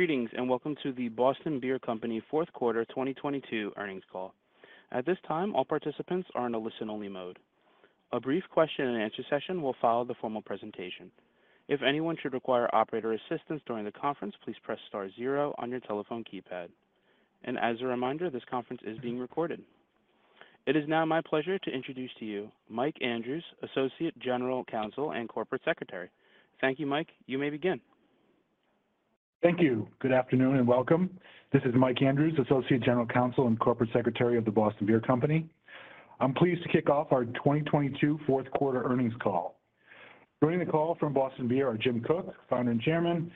Greetings welcome to The Boston Beer Company Fourth Quarter 2022 Earnings Call. At this time, all participants are in a listen-only mode. A brief question and answer session will follow the formal presentation. If anyone should require operator assistance during the conference, please press star zero on your telephone keypad. As a reminder, this conference is being recorded. It is now my pleasure to introduce to you Mike Andrews, Associate General Counsel and Corporate Secretary. Thank you, Mike. You may begin. Thank you good afternoon and welcome this is Mike Andrews, Associate General Counsel and Corporate Secretary of The Boston Beer Company. I'm pleased to kick off our 2022 fourth quarter earnings call. Joining the call from Boston Beer are Jim Koch, Founder and Chairman,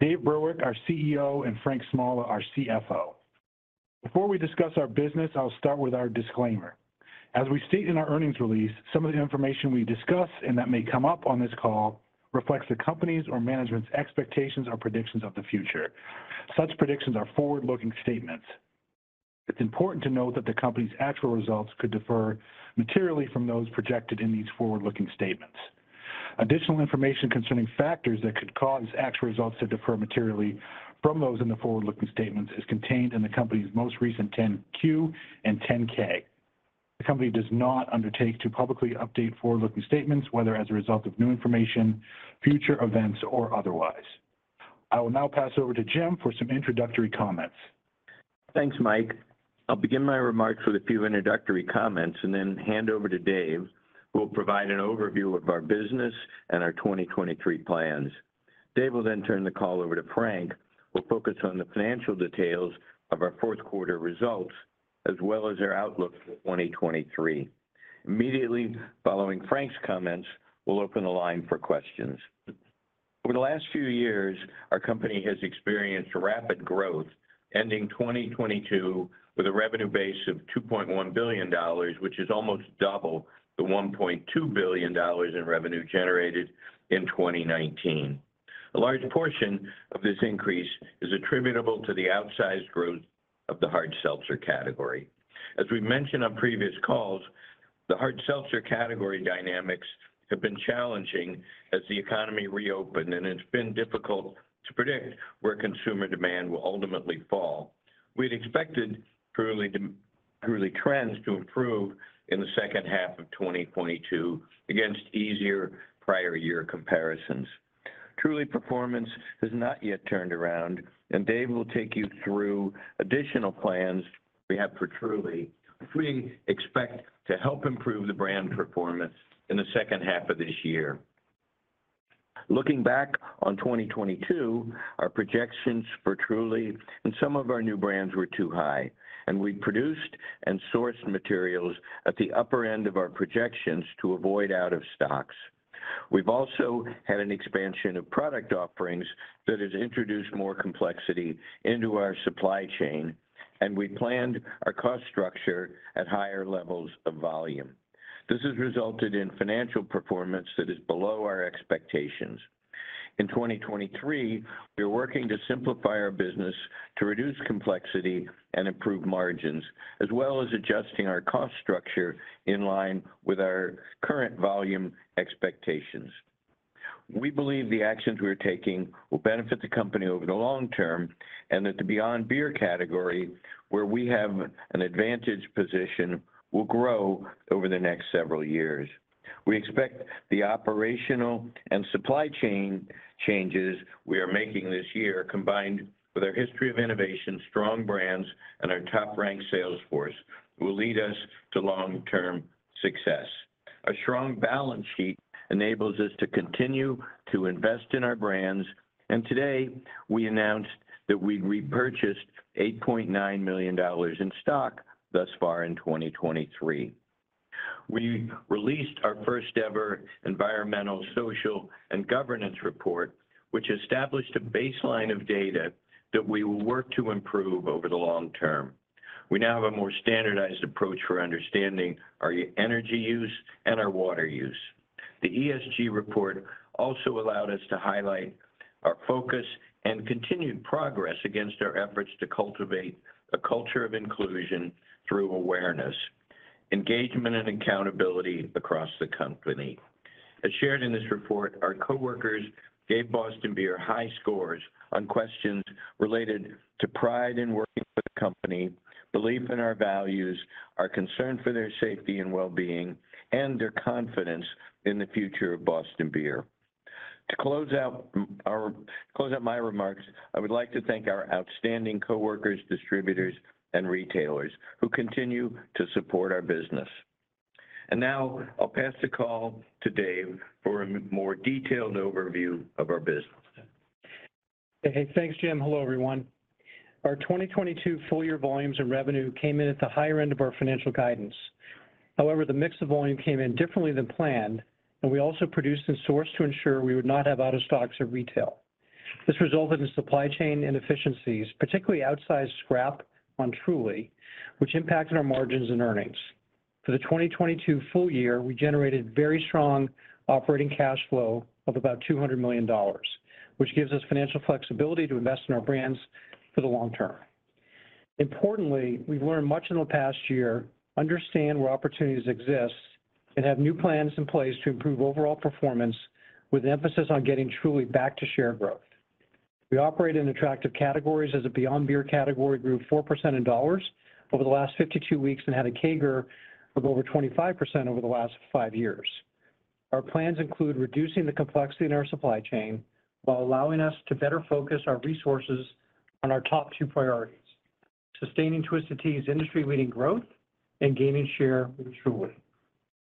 Dave Burwick, our CEO, and Frank Smalla, our CFO. Before we discuss our business, I'll start with our disclaimer. As we state in our earnings release, some of the information we discuss and that may come up on this call reflects the company's or management's expectations or predictions of the future. Such predictions are forward-looking statements. It's important to note that the company's actual results could differ materially from those projected in these forward-looking statements. Additional information concerning factors that could cause actual results to differ materially from those in the forward-looking statements is contained in the company's most recent 10-Q and 10-K. The company does not undertake to publicly update forward-looking statements, whether as a result of new information, future events, or otherwise. I will now pass over to Jim for some introductory comments. Thanks Mike I'll begin my remarks with a few introductory comments and then hand over to Dave, who will provide an overview of our business and our 2023 plans. Dave will then turn the call over to Frank, who will focus on the financial details of our fourth quarter results as well as our outlook for 2023. Immediately following Frank's comments, we'll open the line for questions. Over the last few years, our company has experienced rapid growth, ending 2022 with a revenue base of $2.1 billion, which is almost double the $1.2 billion in revenue generated in 2019. A large portion of this increase is attributable to the outsized growth of the hard seltzer category. We mentioned on previous calls, the hard seltzer category dynamics have been challenging as the economy reopened, and it's been difficult to predict where consumer demand will ultimately fall. We'd expected Truly trends to improve in the second half of 2022 against easier prior year comparisons. Truly performance has not yet turned around, Dave will take you through additional plans we have for Truly, which we expect to help improve the brand performance in the second half of this year. Looking back on 2022, our projections for Truly and some of our new brands were too high, we produced and sourced materials at the upper end of our projections to avoid out of stocks. We've also had an expansion of product offerings that has introduced more complexity into our supply chain, we planned our cost structure at higher levels of volume. This has resulted in financial performance that is below our expectations. In 2023, we are working to simplify our business to reduce complexity and improve margins, as well as adjusting our cost structure in line with our current volume expectations. We believe the actions we are taking will benefit the company over the long term, and that the beyond beer category, where we have an advantage position, will grow over the next several years. We expect the operational and supply chain changes we are making this year, combined with our history of innovation, strong brands, and our top-ranked sales force, will lead us to long-term success. A strong balance sheet enables us to continue to invest in our brands, and today we announced that we'd repurchased $8.9 million in stock thus far in 2023. We released our first ever environmental, social, and governance report, which established a baseline of data that we will work to improve over the long term. We now have a more standardized approach for understanding our energy use and our water use. The ESG report also allowed us to highlight our focus and continued progress against our efforts to cultivate a culture of inclusion through awareness, engagement, and accountability across the company. As shared in this report, our coworkers gave Boston Beer high scores on questions related to pride in working for the company, belief in our values, our concern for their safety and well-being, and their confidence in the future of Boston Beer. To close out my remarks, I would like to thank our outstanding coworkers, distributors, and retailers who continue to support our business. Now I'll pass the call to Dave for a more detailed overview of our business. Hey thanks Jim hello everyone our 2022 full year volumes and revenue came in at the higher end of our financial guidance. However, the mix of volume came in differently than planned, and we also produced and sourced to ensure we would not have out of stocks at retail. This resulted in supply chain inefficiencies, particularly outsized scrap on Truly, which impacted our margins and earnings. For the 2022 full year, we generated very strong operating cash flow of about $200 million, which gives us financial flexibility to invest in our brands for the long term. Importantly, we've learned much in the past year, understand where opportunities exist, and have new plans in place to improve overall performance with an emphasis on getting Truly back to share growth. We operate in attractive categories as the beyond beer category grew 4% in dollars over the last 52 weeks and had a CAGR of over 25% over the last five years. Our plans include reducing the complexity in our supply chain while allowing us to better focus our resources on our top two priorities: sustaining Twisted Tea's industry-leading growth and gaining share with Truly.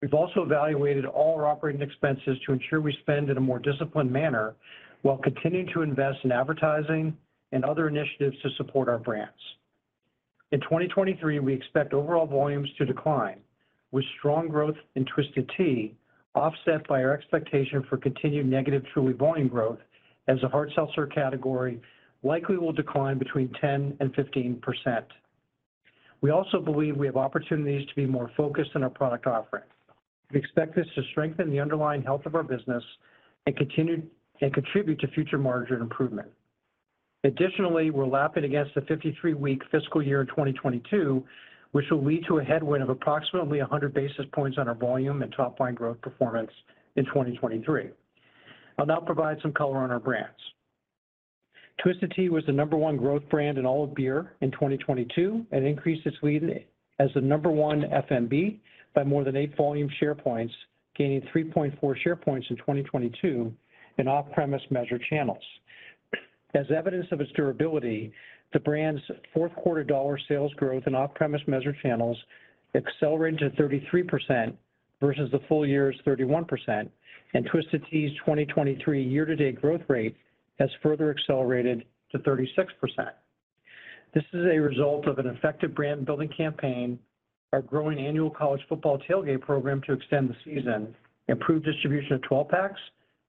We've also evaluated all our operating expenses to ensure we spend in a more disciplined manner while continuing to invest in advertising and other initiatives to support our brands. In 2023, we expect overall volumes to decline, with strong growth in Twisted Tea offset by our expectation for continued negative Truly volume growth as the hard seltzer category likely will decline between 10% and 15%. We also believe we have opportunities to be more focused on our product offering. We expect this to strengthen the underlying health of our business and contribute to future margin improvement. Additionally, we're lapping against the 53-week fiscal year in 2022, which will lead to a headwind of approximately 100 basis points on our volume and top line growth performance in 2023. I'll now provide some color on our brands. Twisted Tea was the number one growth brand in all of beer in 2022 and increased its lead as the number one FMB by more than eight volume share points, gaining 3.4 share points in 2022 in off-premise measured channels. As evidence of its durability, the brand's fourth quarter dollar sales growth in off-premise measured channels accelerated to 33% versus the full year's 31%, and Twisted Tea's 2023 year to date growth rate has further accelerated to 36%. This is a result of an effective brand building campaign, our growing annual college football tailgate program to extend the season, improved distribution of 12 packs,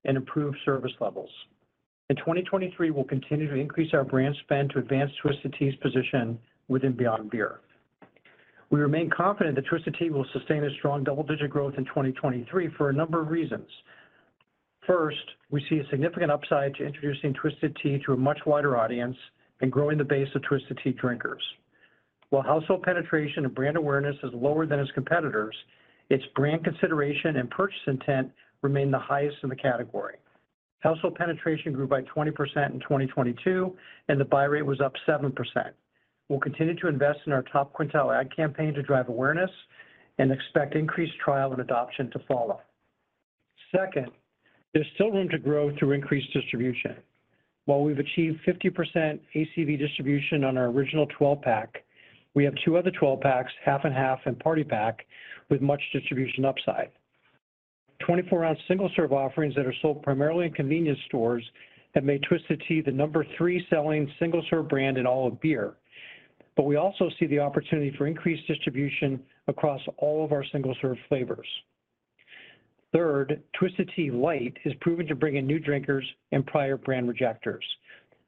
and improved service levels. In 2023, we'll continue to increase our brand spend to advance Twisted Tea's position within beyond beer. We remain confident that Twisted Tea will sustain a strong double-digit growth in 2023 for a number of reasons. First, we see a significant upside to introducing Twisted Tea to a much wider audience and growing the base of Twisted Tea drinkers. While household penetration and brand awareness is lower than its competitors, its brand consideration and purchase intent remain the highest in the category. Household penetration grew by 20% in 2022, and the buy rate was up 7%. We'll continue to invest in our top quintile ad campaign to drive awareness and expect increased trial and adoption to follow. Second, there's still room to grow through increased distribution. While we've achieved 50% ACV distribution on our original 12-pack, we have two other 12-packs, half and half, and party pack with much distribution upside. 24 ounce single serve offerings that are sold primarily in convenience stores have made Twisted Tea the number three selling single serve brand in all of beer. We also see the opportunity for increased distribution across all of our single serve flavors. Third, Twisted Tea Light has proven to bring in new drinkers and prior brand rejecters.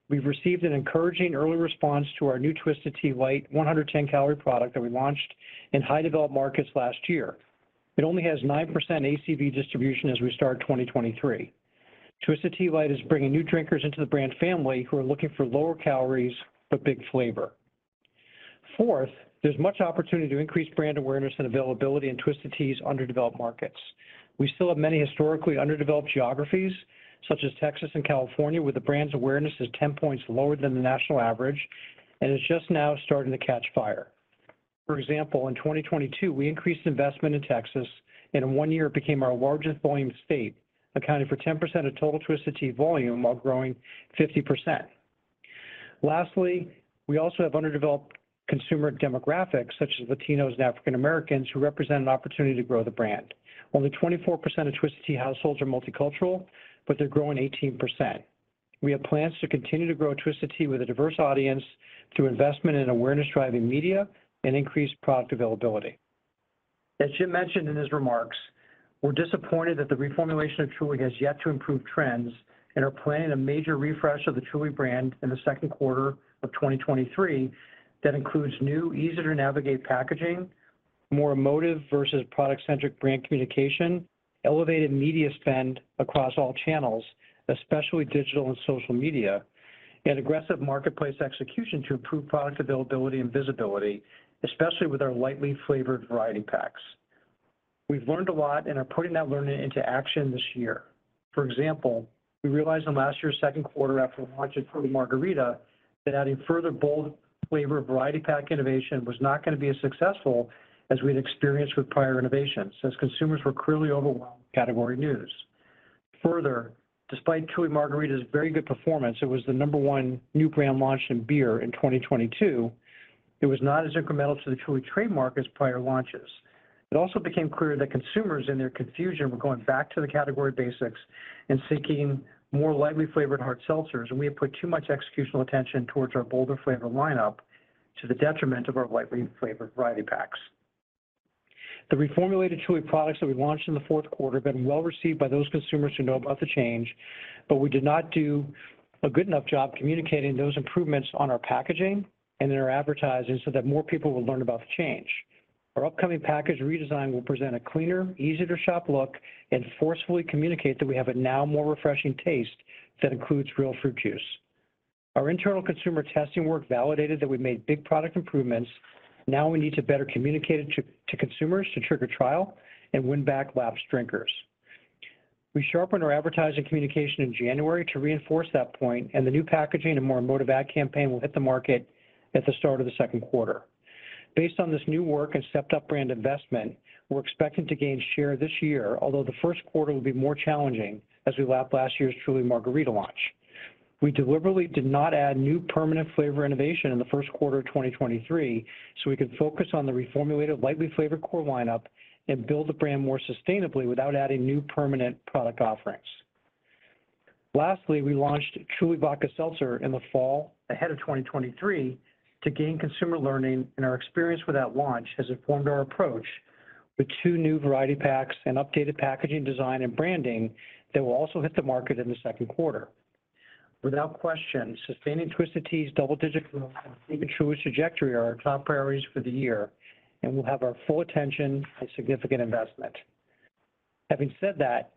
We've received an encouraging early response to our new Twisted Tea Light 110 calorie product that we launched in high developed markets last year. It only has 9% ACV distribution as we start 2023. Twisted Tea Light is bringing new drinkers into the brand family who are looking for lower calories but big flavor. Fourth, there's much opportunity to increase brand awareness and availability in Twisted Tea's underdeveloped markets. We still have many historically underdeveloped geographies, such as Texas and California, where the brand's awareness is 10 points lower than the national average, and it's just now starting to catch fire. For example, in 2022, we increased investment in Texas, in one year it became our largest volume state, accounting for 10% of total Twisted Tea volume while growing 50%. Lastly, we also have underdeveloped consumer demographics such as Latinos and African Americans who represent an opportunity to grow the brand. Only 24% of Twisted Tea households are multicultural, they're growing 18%. We have plans to continue to grow Twisted Tea with a diverse audience through investment in awareness-driving media and increased product availability. As Jim mentioned in his remarks, we're disappointed that the reformulation of Truly has yet to improve trends and are planning a major refresh of the Truly brand in the second quarter of 2023 that includes new easier to navigate packaging, more emotive versus product-centric brand communication, elevated media spend across all channels, especially digital and social media, and aggressive marketplace execution to improve product availability and visibility, especially with our lightly flavored variety packs. We've learned a lot and are putting that learning into action this year. We realized in last year's second quarter after launching Truly Margarita that adding further bold flavor variety pack innovation was not going to be as successful as we had experienced with prior innovations, as consumers were clearly overwhelmed with category news. Further, despite Truly Margarita's very good performance, it was the number one new brand launched in beer in 2022, it was not as incremental to the Truly trademark as prior launches. It also became clear that consumers, in their confusion, were going back to the category basics and seeking more lightly flavored hard seltzers, and we had put too much executional attention towards our bolder flavor lineup to the detriment of our lightly flavored variety packs. The reformulated Truly products that we launched in the fourth quarter have been well received by those consumers who know about the change, but we did not do a good enough job communicating those improvements on our packaging and in our advertising so that more people will learn about the change. Our upcoming package redesign will present a cleaner, easier to shop look, and forcefully communicate that we have a now more refreshing taste that includes real fruit juice. Our internal consumer testing work validated that we've made big product improvements. We need to better communicate it to consumers to trigger trial and win back lapsed drinkers. We sharpened our advertising communication in January to reinforce that point, and the new packaging and more emotive ad campaign will hit the market at the start of the second quarter. Based on this new work and stepped up brand investment, we're expecting to gain share this year, although the first quarter will be more challenging as we lap last year's Truly Margarita launch. We deliberately did not add new permanent flavor innovation in the first quarter of 2023, so we could focus on the reformulated lightly flavored core lineup and build the brand more sustainably without adding new permanent product offerings. Lastly, we launched Truly Vodka Seltzer in the fall ahead of 2023 to gain consumer learning, and our experience with that launch has informed our approach with two new variety packs and updated packaging design and branding that will also hit the market in the second quarter. Without question, sustaining Twisted Tea's double-digit growth and Truly's trajectory are our top priorities for the year and will have our full attention and significant investment. Having said that,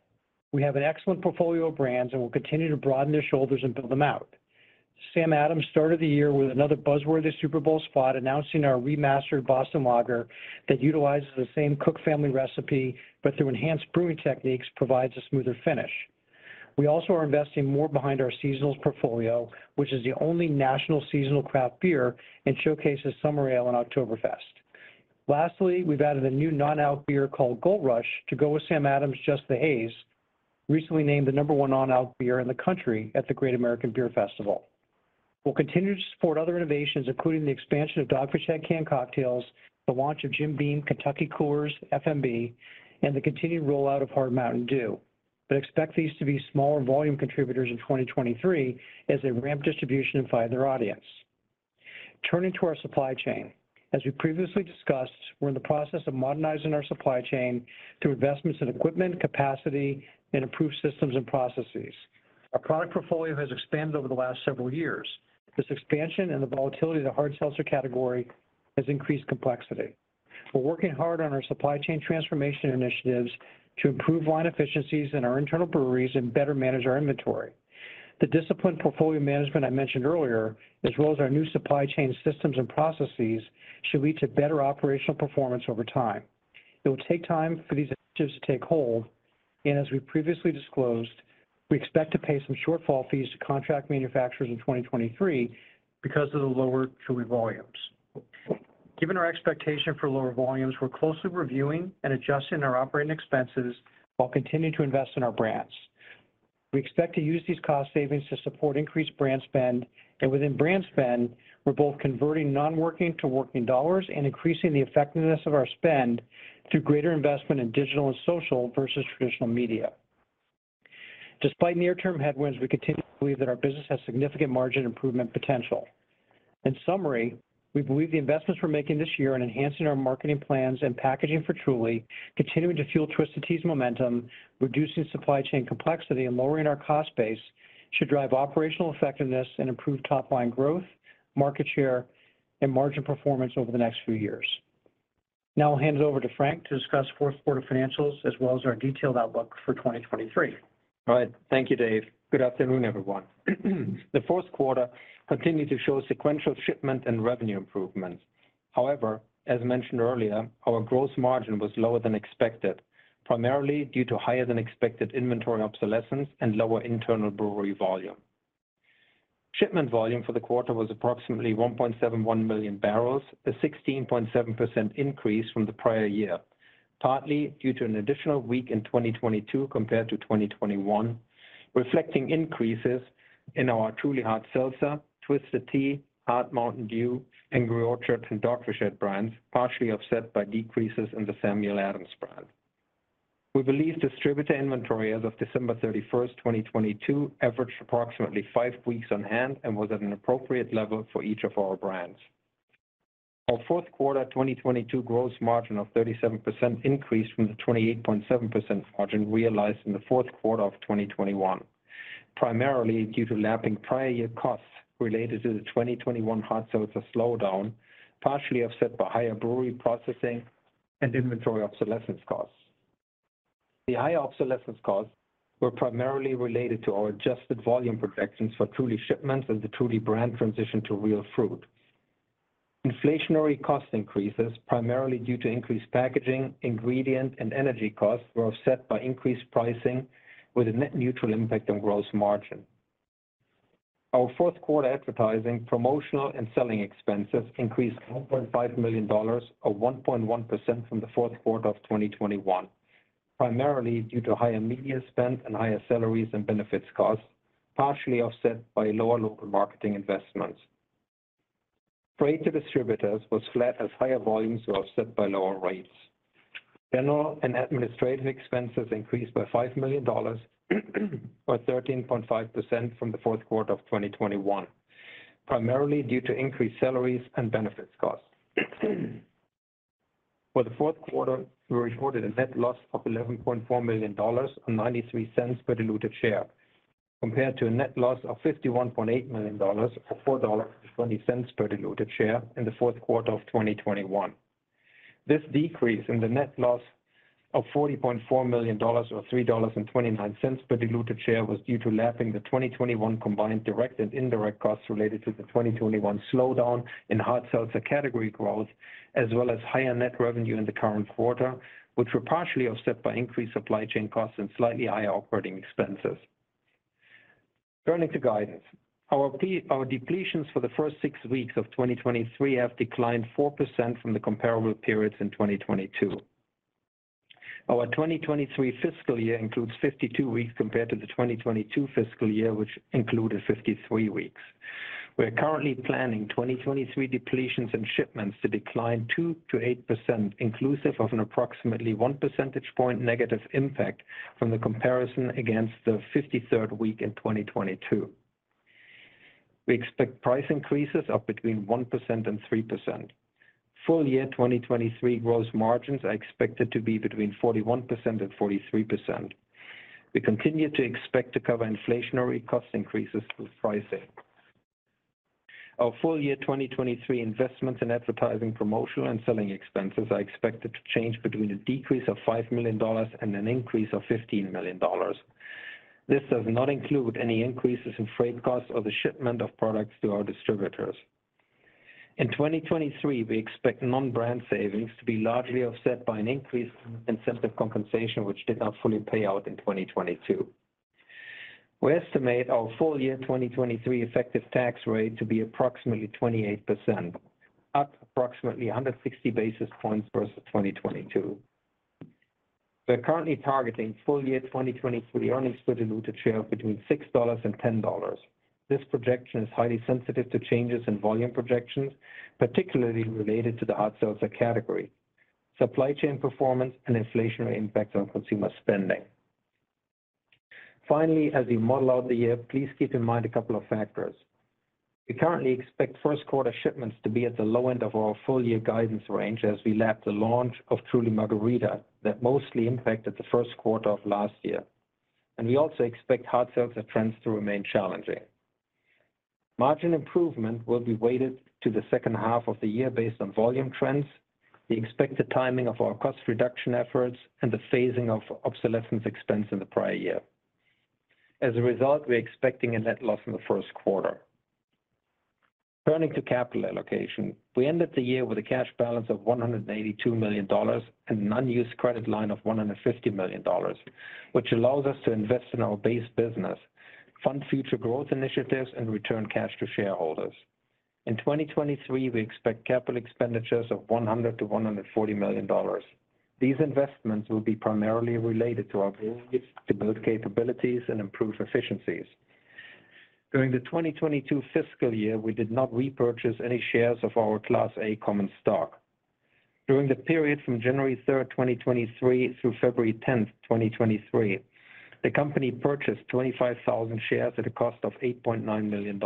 we have an excellent portfolio of brands, and we'll continue to broaden their shoulders and build them out. Sam Adams started the year with another buzz-worthy Super Bowl spot announcing our remastered Boston Lager that utilizes the same Koch family recipe, but through enhanced brewing techniques, provides a smoother finish. We also are investing more behind our seasonals portfolio, which is the only national seasonal craft beer and showcases Summer Ale and OktoberFest. Lastly, we've added a new non-alc beer called Gold Rush to go with Sam Adams Just the Haze, recently named the number one non-alc beer in the country at the Great American Beer Festival. We'll continue to support other innovations, including the expansion of Dogfish Head canned cocktails, the launch of Jim Beam Kentucky Coolers FMB, and the continued rollout of Hard Mountain Dew. Expect these to be smaller volume contributors in 2023 as they ramp distribution and find their audience. Turning to our supply chain. As we previously discussed, we're in the process of modernizing our supply chain through investments in equipment, capacity, and improved systems and processes. Our product portfolio has expanded over the last several years. This expansion and the volatility of the hard seltzer category has increased complexity. We're working hard on our supply chain transformation initiatives to improve line efficiencies in our internal breweries and better manage our inventory. The disciplined portfolio management I mentioned earlier, as well as our new supply chain systems and processes, should lead to better operational performance over time. It will take time for these initiatives to take hold, and as we previously disclosed, we expect to pay some shortfall fees to contract manufacturers in 2023 because of the lower Truly volumes. Given our expectation for lower volumes, we're closely reviewing and adjusting our operating expenses while continuing to invest in our brands. We expect to use these cost savings to support increased brand spend, and within brand spend, we're both converting non-working to working dollars and increasing the effectiveness of our spend through greater investment in digital and social versus traditional media. Despite near-term headwinds, we continue to believe that our business has significant margin improvement potential. In summary we believe the investments we're making this year in enhancing our marketing plans and packaging for Truly, continuing to fuel Twisted Tea's momentum, reducing supply chain complexity, and lowering our cost base should drive operational effectiveness and improve top line growth, market share, and margin performance over the next few years. Now I'll hand it over to Frank to discuss fourth quarter financials as well as our detailed outlook for 2023. All right. Thank you, Dave. Good afternoon, everyone. The fourth quarter continued to show sequential shipment and revenue improvements. However, as mentioned earlier, our gross margin was lower than expected, primarily due to higher than expected inventory obsolescence and lower internal brewery volume. Shipment volume for the quarter was approximately 1.71 million barrels, a 16.7% increase from the prior year, partly due to an additional week in 2022 compared to 2021, reflecting increases in our Truly Hard Seltzer, Twisted Tea, Hard Mountain Dew, and Angry Orchard and Dogfish Head brands, partially offset by decreases in the Samuel Adams brand. We believe distributor inventory as of December 31st, 2022 averaged approximately five weeks on hand and was at an appropriate level for each of our brands. Our fourth quarter 2022 gross margin of 37% increased from the 28.7% margin realized in the fourth quarter of 2021, primarily due to lapping prior year costs related to the 2021 Hard Seltzer slowdown, partially offset by higher brewery processing and inventory obsolescence costs. The higher obsolescence costs were primarily related to our adjusted volume projections for Truly shipments as the Truly brand transitioned to real fruit. Inflationary cost increases, primarily due to increased packaging, ingredient, and energy costs, were offset by increased pricing with a net neutral impact on gross margin. Our fourth quarter advertising, promotional, and selling expenses increased $1.5 million or 1.1% from the fourth quarter of 2021, primarily due to higher media spend and higher salaries and benefits costs, partially offset by lower local marketing investments. Freight to distributors was flat as higher volumes were offset by lower rates. General and administrative expenses increased by $5 million or 13.5% from the fourth quarter of 2021, primarily due to increased salaries and benefits costs. For the fourth quarter, we reported a net loss of $11.4 million or $0.93 per diluted share. Compared to a net loss of $51.8 million or $4.20 per diluted share in the fourth quarter of 2021. This decrease in the net loss of $40.4 million or $3.29 per diluted share was due to lapping the 2021 combined direct and indirect costs related to the 2021 slowdown in hard seltzer category growth, as well as higher net revenue in the current quarter, which were partially offset by increased supply chain costs and slightly higher operating expenses. Turning to guidance. Our depletions for the first six weeks of 2023 have declined 4% from the comparable periods in 2022. Our 2023 fiscal year includes 52 weeks compared to the 2022 fiscal year, which included 53 weeks. We are currently planning 2023 depletions and shipments to decline 2%-8% inclusive of an approximately one percentage point negative impact from the comparison against the fifty-third week in 2022. We expect price increases of between 1% and 3%. Full year 2023 gross margins are expected to be between 41% and 43%. We continue to expect to cover inflationary cost increases with pricing. Our full year 2023 investments in advertising, promotional and selling expenses are expected to change between a decrease of $5 million and an increase of $15 million. This does not include any increases in freight costs or the shipment of products to our distributors. In 2023, we expect non-brand savings to be largely offset by an increase in incentive compensation, which did not fully pay out in 2022. We estimate our full year 2023 effective tax rate to be approximately 28%, up approximately under 60 basis points versus 2022. We're currently targeting full year 2023 earnings per diluted share of between $6 and $10. This projection is highly sensitive to changes in volume projections, particularly related to the hard seltzer category, supply chain performance and inflationary impact on consumer spending. As we model out the year, please keep in mind a couple of factors. We currently expect first quarter shipments to be at the low end of our full year guidance range as we lap the launch of Truly Margarita that mostly impacted the first quarter of last year. We also expect hard seltzer trends to remain challenging. Margin improvement will be weighted to the second half of the year based on volume trends, the expected timing of our cost reduction efforts and the phasing of obsolescence expense in the prior year. We're expecting a net loss in the first quarter. Turning to capital allocation. We ended the year with a cash balance of $182 million and an unused credit line of $150 million, which allows us to invest in our base business, fund future growth initiatives and return cash to shareholders. In 2023, we expect CapEx of $100 million-$140 million. These investments will be primarily related to our goal to build capabilities and improve efficiencies. During the 2022 fiscal year, we did not repurchase any shares of our Class A Common Stock. During the period from January third, 2023 through February 10th, 2023, the company purchased 25,000 shares at a cost of $8.9 million.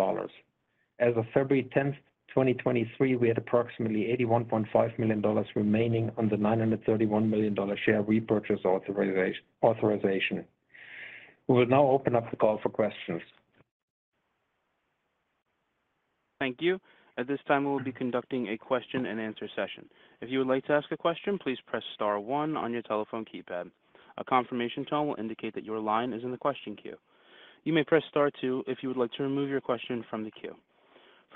As of February 10th, 2023, we had approximately $81.5 million remaining on the $931 million share repurchase authorization. We will now open up the call for questions. Thank you. At this time, we will be conducting a question and answer session. If you would like to ask a question, please press star one on your telephone keypad. A confirmation tone will indicate that your line is in the question queue. You may press star two if you would like to remove your question from the queue.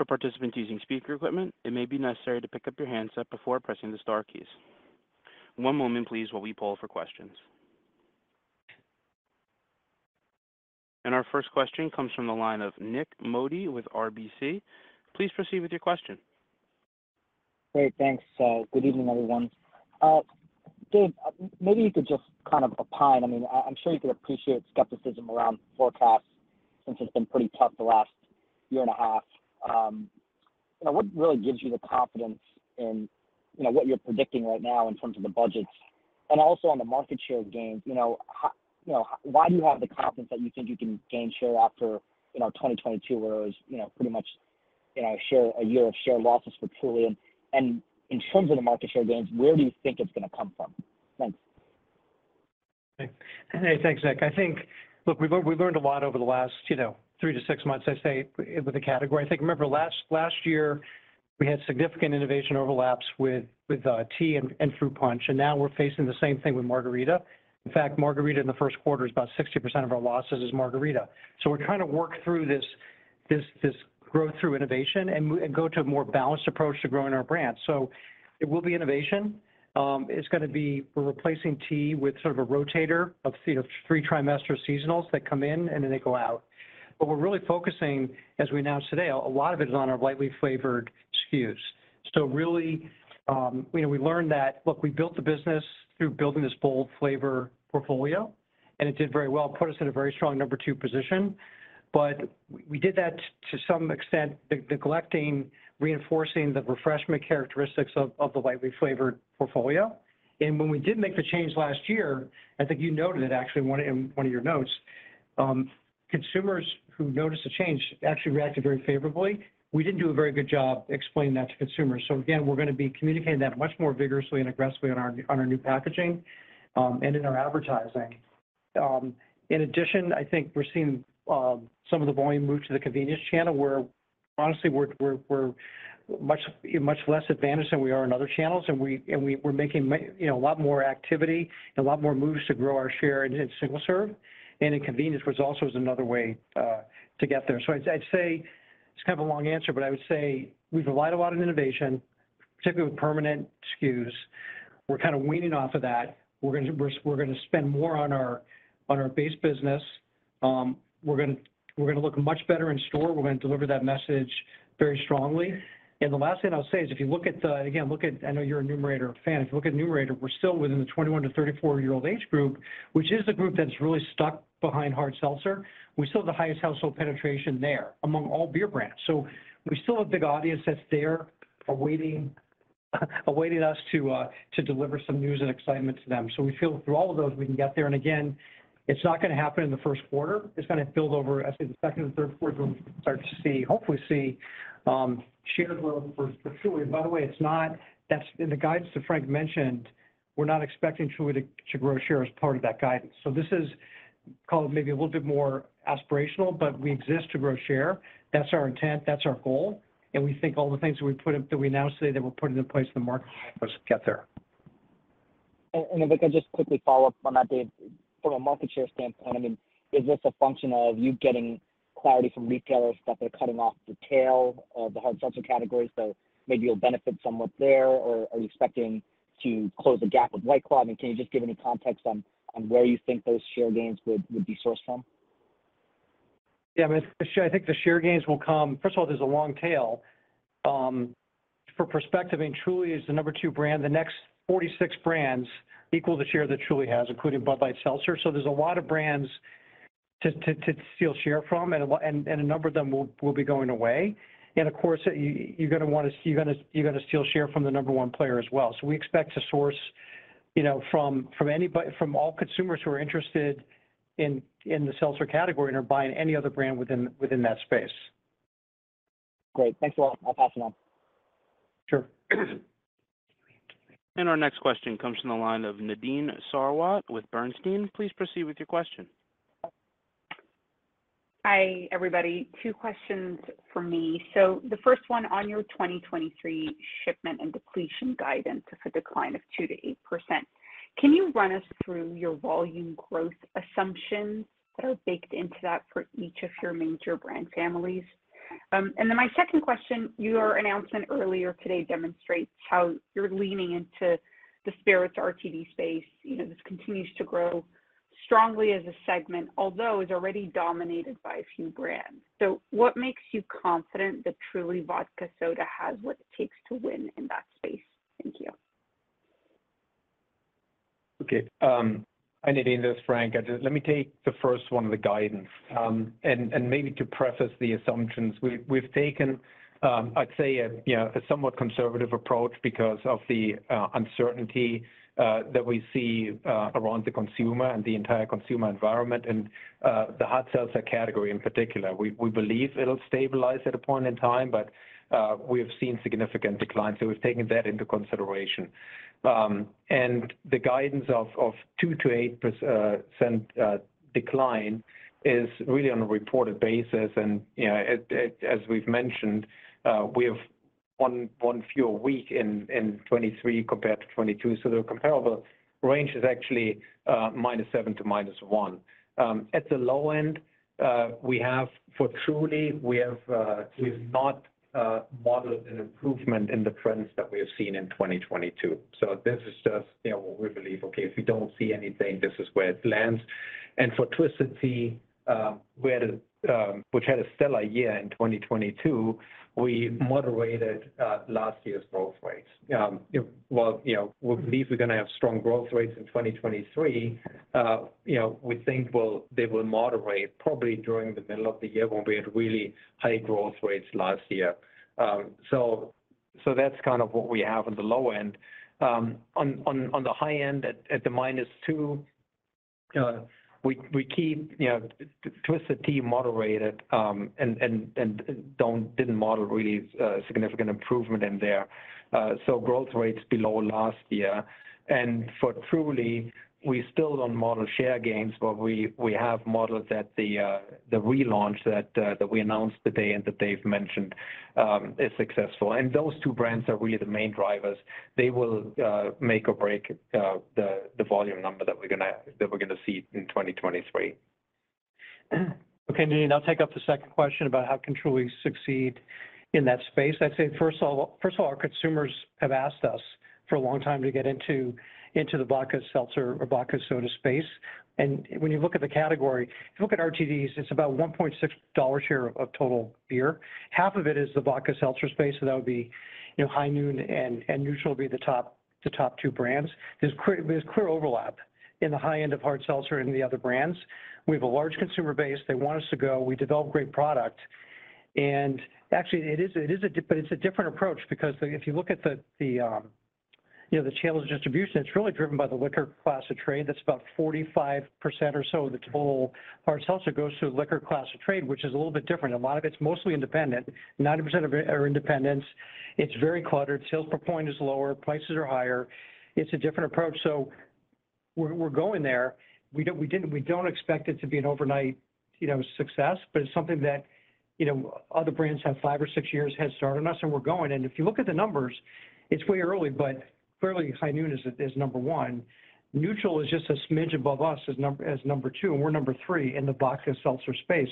For participants using speaker equipment, it may be necessary to pick up your handset before pressing the star keys. One moment please while we poll for questions. Our first question comes from the line of Nik Modi with RBC. Please proceed with your question. Great thanks good evening everyone Dave maybe you could just kind of opine. I mean, I'm sure you could appreciate skepticism around forecasts since it's been pretty tough the last year and a half. What really gives you the confidence in, you know, what you're predicting right now in terms of the budgets and also on the market share gains, you know, you know, why do you have the confidence that you think you can gain share after, you know, 2022, where it was, you know, pretty much, you know, a year of share losses for Truly? In terms of the market share gains, where do you think it's gonna come from? Thanks. Hey thanks Nick I think look we've learned a lot over the last, you know, three to six months, I'd say, with the category. I think, remember last year, we had significant innovation overlaps with tea and fruit punch, and now we're facing the same thing with margarita. In fact, margarita in the first quarter is about 60% of our losses is margarita. We're trying to work through this growth through innovation and go to a more balanced approach to growing our brands. It will be innovation. It's gonna be replacing tea with sort of a rotator of three trimester seasonals that come in and then they go out. We're really focusing, as we announced today, a lot of it is on our lightly flavored SKUs. Really, you know, we learned that, look, we built the business through building this bold flavor portfolio, and it did very well, put us in a very strong number two position. We did that to some extent neglecting reinforcing the refreshment characteristics of the lightly flavored portfolio. When we did make the change last year, I think you noted it actually in one of, in one of your notes, consumers Who noticed a change, actually reacted very favorably. We didn't do a very good job explaining that to consumers. Again, we're gonna be communicating that much more vigorously and aggressively on our new packaging and in our advertising. In addition, I think we're seeing some of the volume move to the convenience channel where honestly, we're much, much less advantaged than we are in other channels, and we're making you know, a lot more activity and a lot more moves to grow our share in single-serve. In convenience was also is another way to get there. I'd say it's kind of a long answer, but I would say we've relied a lot on innovation, particularly with permanent SKUs. We're kind of weaning off of that. We're gonna spend more on our base business. We're gonna look much better in store. We're gonna deliver that message very strongly. The last thing I'll say is, if you look at the. Again, I know you're a Numerator fan. If you look at Numerator, we're still within the 21-34-year-old age group, which is the group that's really stuck behind hard seltzer. We still have the highest household penetration there among all beer brands. We still have a big audience that's there awaiting us to deliver some news and excitement to them. We feel through all of those, we can get there. Again, it's not gonna happen in the first quarter. It's gonna build over, I'd say the second and third quarter, we'll start to see, hopefully see, shares grow for Truly. By the way, it's not-- that's in the guidance that Frank mentioned, we're not expecting Truly to grow share as part of that guidance. This is called maybe a little bit more aspirational, but we exist to grow share. That's our intent, that's our goal, and we think all the things that we put in-- that we now say that we're putting in place in the marketplace get there. If I could just quickly follow up on that, Dave, from a market share standpoint, I mean, is this a function of you getting clarity from retailers that they're cutting off the tail of the hard seltzer category, so maybe you'll benefit somewhat there? Or are you expecting to close the gap with White Claw? Can you just give any context on where you think those share gains would be sourced from? I mean, the share, I think the share gains will come. First of all, there's a long tail. For perspective, I mean, Truly is the number two brand. The next 46 brands equal the share that Truly has, including Bud Light Seltzer. There's a lot of brands to steal share from, and a number of them will be going away. Of course, you're gonna steal share from the number one player as well. We expect to source, you know, from anybody, from all consumers who are interested in the seltzer category and are buying any other brand within that space. Great thanks a lot I'll pass it on. Sure. Our next question comes from the line of Nadine Sarwat with Bernstein. Please proceed with your question. Hi everybody two questions from me. The first one, on your 2023 shipment and depletion guidance is a decline of 2%-8%. Can you run us through your volume growth assumptions that are baked into that for each of your major brand families? My second question, your announcement earlier today demonstrates how you're leaning into the spirits RTD space. You know, this continues to grow strongly as a segment, although it's already dominated by a few brands. What makes you confident that Truly Vodka Soda has what it takes to win in that space? Thank you. Okay hi Nadine this is Frank let me take the first one on the guidance. Maybe to preface the assumptions, we've taken, I'd say a, you know, a somewhat conservative approach because of the uncertainty that we see around the consumer and the entire consumer environment and the hard seltzer category in particular. We believe it'll stabilize at a point in time, but we have seen significant declines, so we've taken that into consideration. The guidance of 2%-8% decline is really on a reported basis. You know, it, as we've mentioned, we have one fewer week in 2023 compared to 2022, so the comparable range is actually -7% to -1%. At the low end, we have, for Truly, we have, we've not modeled an improvement in the trends that we have seen in 2022. This is just, you know, what we believe, okay, if we don't see anything, this is where it lands. For Twisted Tea, which had a stellar year in 2022, we moderated last year's growth rates. You know, we believe we're gonna have strong growth rates in 2023. You know, they will moderate probably during the middle of the year when we had really high growth rates last year. That's kind of what we have on the low end. On the high end at the -2, we keep, you know, Twisted Tea moderated, and didn't model really significant improvement in there. Growth rates below last year. For Truly, we still don't model share gains, but we have modeled that the relaunch that we announced today and that Dave mentioned is successful. Those two brands are really the main drivers. They will make or break the volume number that we're gonna see in 2023. Okay Nadine I'll take up the second question about how can Truly succeed in that space. I'd say first of all, our consumers have asked us for a long time to get into the vodka seltzer or vodka soda space. When you look at the category, if you look at RTDs, it's about $1.6 share of total beer. Half of it is the vodka seltzer space, so that would be, you know, High Noon and NÜTRL would be the top two brands. There's clear overlap in the high end of hard seltzer and the other brands. We have a large consumer base. They want us to go. We develop great product. Actually, it is a different approach because if you look at You know, the channel distribution, it's really driven by the liquor class of trade. That's about 45% or so of the total hard seltzer goes through the liquor class of trade, which is a little bit different. A lot of it's mostly independent. 90% of it are independents. It's very cluttered. Sales per point is lower. Prices are higher. It's a different approach. We're going there. We don't expect it to be an overnight, you know, success, but it's something that, you know, other brands have five or six years head start on us, and we're going. If you look at the numbers, it's way early, but clearly, High Noon is number one. NÜTRL is just a smidge above us as number two, we're three in the vodka seltzer space.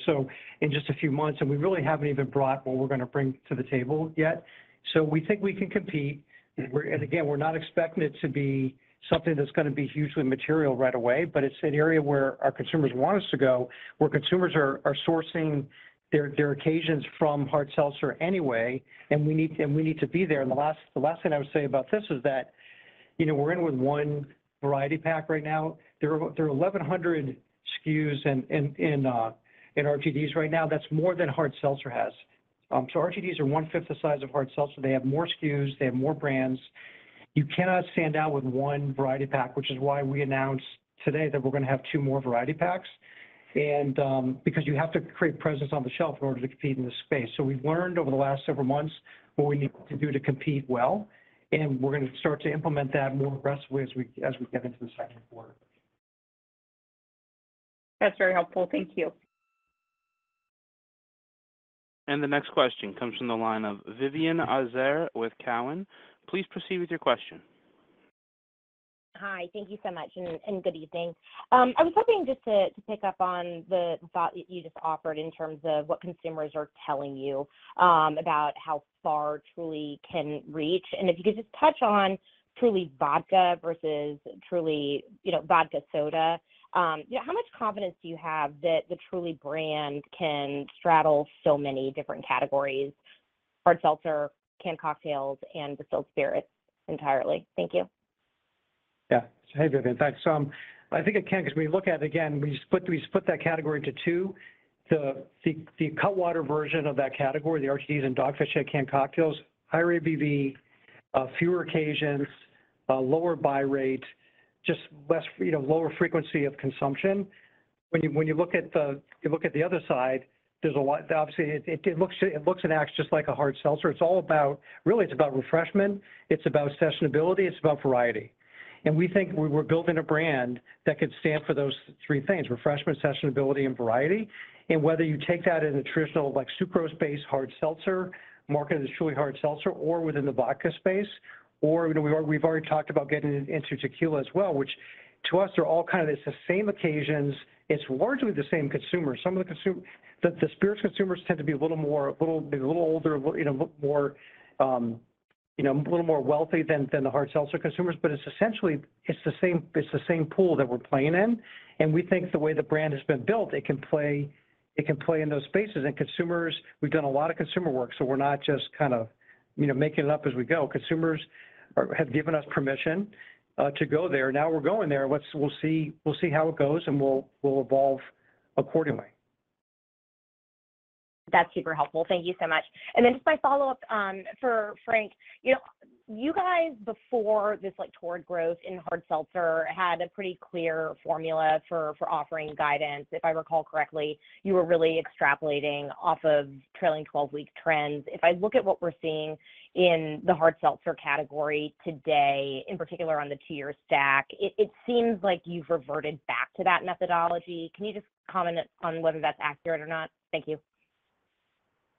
In just a few months, we really haven't even brought what we're gonna bring to the table yet. We think we can compete. Again, we're not expecting it to be something that's gonna be hugely material right away, but it's an area where our consumers want us to go, where consumers are sourcing their occasions from hard seltzer anyway, and we need to be there. The last thing I would say about this is that, you know, we're in with one variety pack right now. There are 1,100 SKUs in RTDs right now. That's more than hard seltzer has. RTDs are one-fifth the size of hard seltzer. They have more SKUs. They have more brands. You cannot stand out with one variety pack, which is why we announced today that we're gonna have two more variety packs. because you have to create presence on the shelf in order to compete in this space. We've learned over the last several months what we need to do to compete well, and we're gonna start to implement that more aggressively as we get into the second quarter. That's very helpful. Thank you. The next question comes from the line of Vivien Azer with Cowen. Please proceed with your question. Hi thank you so much and good evening. I was hoping just to pick up on the thought that you just offered in terms of what consumers are telling you about how far Truly can reach. If you could just touch on Truly Vodka versus Truly, you know, Vodka Soda. How much confidence do you have that the Truly brand can straddle so many different categories, hard seltzer, canned cocktails, and distilled spirits entirely? Thank you. Hey Vivienne thanks I think it can 'cause we look at, again, we split that category into two. The Cutwater version of that category, the RTDs and Dogfish Head canned cocktails, higher ABV, fewer occasions, lower buy rate, just less, you know, lower frequency of consumption. If you look at the other side, Obviously, it looks and acts just like a hard seltzer. Really, it's about refreshment, it's about sessionability, it's about variety. We think we were building a brand that could stand for those three things, refreshment, sessionability, and variety. Whether you take that in a traditional like sucral space hard seltzer marketed as Truly Hard Seltzer or within the vodka space, you know, we've already talked about getting into tequila as well, which to us are all kind of the same occasions. It's largely the same consumer. The spirit consumers tend to be a little more, a little older, you know, a little more, you know, a little more wealthy than the hard seltzer consumers. It's essentially the same, the same pool that we're playing in. We think the way the brand has been built, it can play, it can play in those spaces. Consumers, we've done a lot of consumer work, so we're not just kind of, you know, making it up as we go. Consumers have given us permission to go there. Now we're going there. We'll see how it goes, and we'll evolve accordingly. That's super helpful thank you so much just my follow-up for Frank. You know, you guys, before this like toward growth in hard seltzer, had a pretty clear formula for offering guidance. If I recall correctly, you were really extrapolating off of trailing 12-week trends. If I look at what we're seeing in the hard seltzer category today, in particular on the tier stack, it seems like you've reverted back to that methodology. Can you just comment on whether that's accurate or not? Thank you.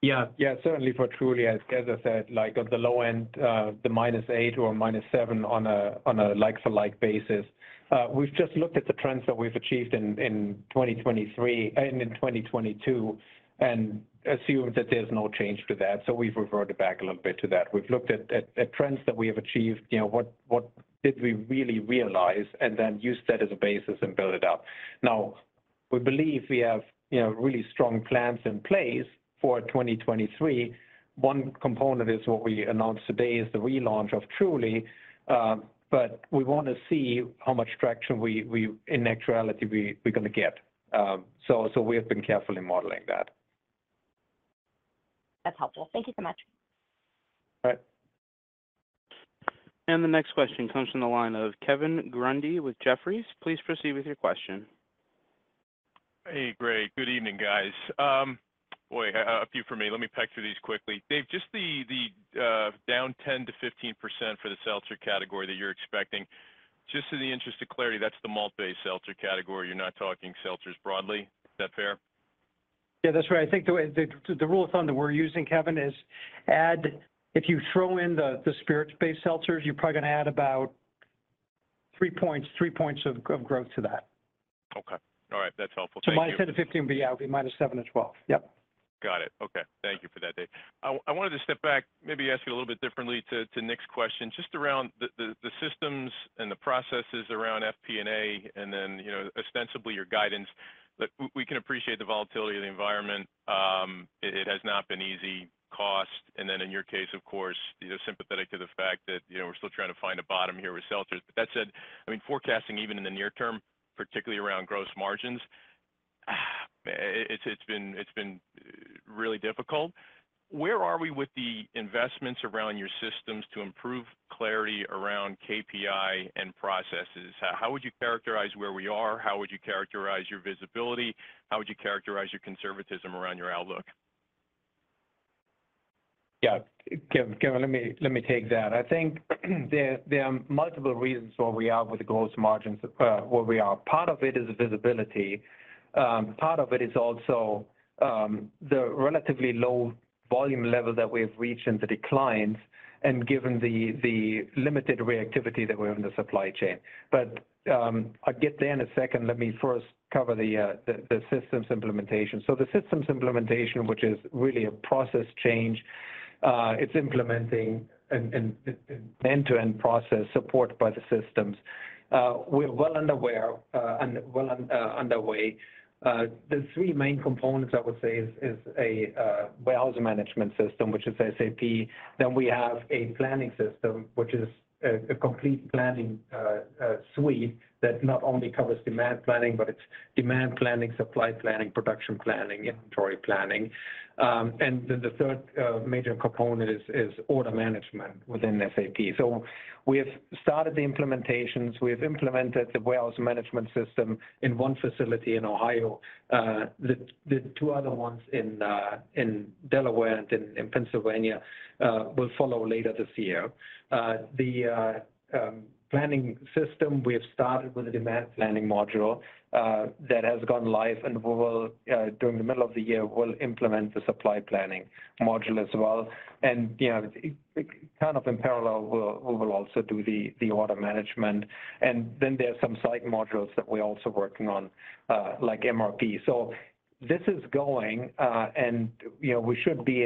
Yeah. Certainly for Truly, as I said, like at the low end, the -8 or -7 on a like-for-like basis, we've just looked at the trends that we've achieved in 2023 and in 2022 and assumed that there's no change to that. We've reverted back a little bit to that. We've looked at trends that we have achieved. You know, what did we really realize, and then use that as a basis and build it up. We believe we have, you know, really strong plans in place for 2023. One component is what we announced today is the relaunch of Truly. We wanna see how much traction in actuality we're gonna get. We have been carefully modeling that. That's helpful. Thank you so much. All right. The next question comes from the line of Kevin Grundy with Jefferies. Please proceed with your question. Hey great good evening guys boy, a few for me. Let me peck through these quickly. Dave, just the down 10%-15% for the seltzer category that you're expecting, just in the interest of clarity, that's the malt-based seltzer category. You're not talking seltzers broadly. Is that fair? Yeah, that's right. I think the rule of thumb that we're using, Kevin Grundy, is if you throw in the spirit-based seltzers, you're probably gonna add about three points of growth to that. Okay. All right. That's helpful. Thank you. -10 to 15, but yeah, it would be -7 to 12. Yep. Got it okay thank you for that Dave. I wanted to step back, maybe ask you a little bit differently to Nik Modi's question, just around the systems and the processes around FP&A and then, you know, ostensibly your guidance. Look, we can appreciate the volatility of the environment. It has not been easy, cost, and then in your case, of course, you know, sympathetic to the fact that, you know, we're still trying to find a bottom here with seltzers. That said, I mean, forecasting even in the near term, particularly around gross margins. It's been really difficult. Where are we with the investments around your systems to improve clarity around KPI and processes? How would you characterize where we are? How would you characterize your visibility? How would you characterize your conservatism around your outlook? Yeah. Kevin let me take that. I think there are multiple reasons where we are with the gross margins, where we are. Part of it is visibility. Part of it is also the relatively low volume level that we have reached and the declines, and given the limited reactivity that we have in the supply chain. I'll get there in a second. Let me first cover the systems implementation. The systems implementation, which is really a process change, it's implementing an end-to-end process support by the systems. We're well unaware and well underway. The three main components I would say is a warehouse management system, which is SAP. We have a planning system, which is a complete planning suite that not only covers demand planning, but it's demand planning, supply planning, production planning, inventory planning. The third major component is order management within SAP. We have started the implementations. We have implemented the warehouse management system in one facility in Ohio. The two other ones in Delaware and in Pennsylvania will follow later this year. The planning system, we have started with the demand planning module that has gone live, and we will during the middle of the year, we'll implement the supply planning module as well. You know, kind of in parallel, we'll also do the order management. There are some side modules that we're also working on, like MRP. This is going, and, you know, we should be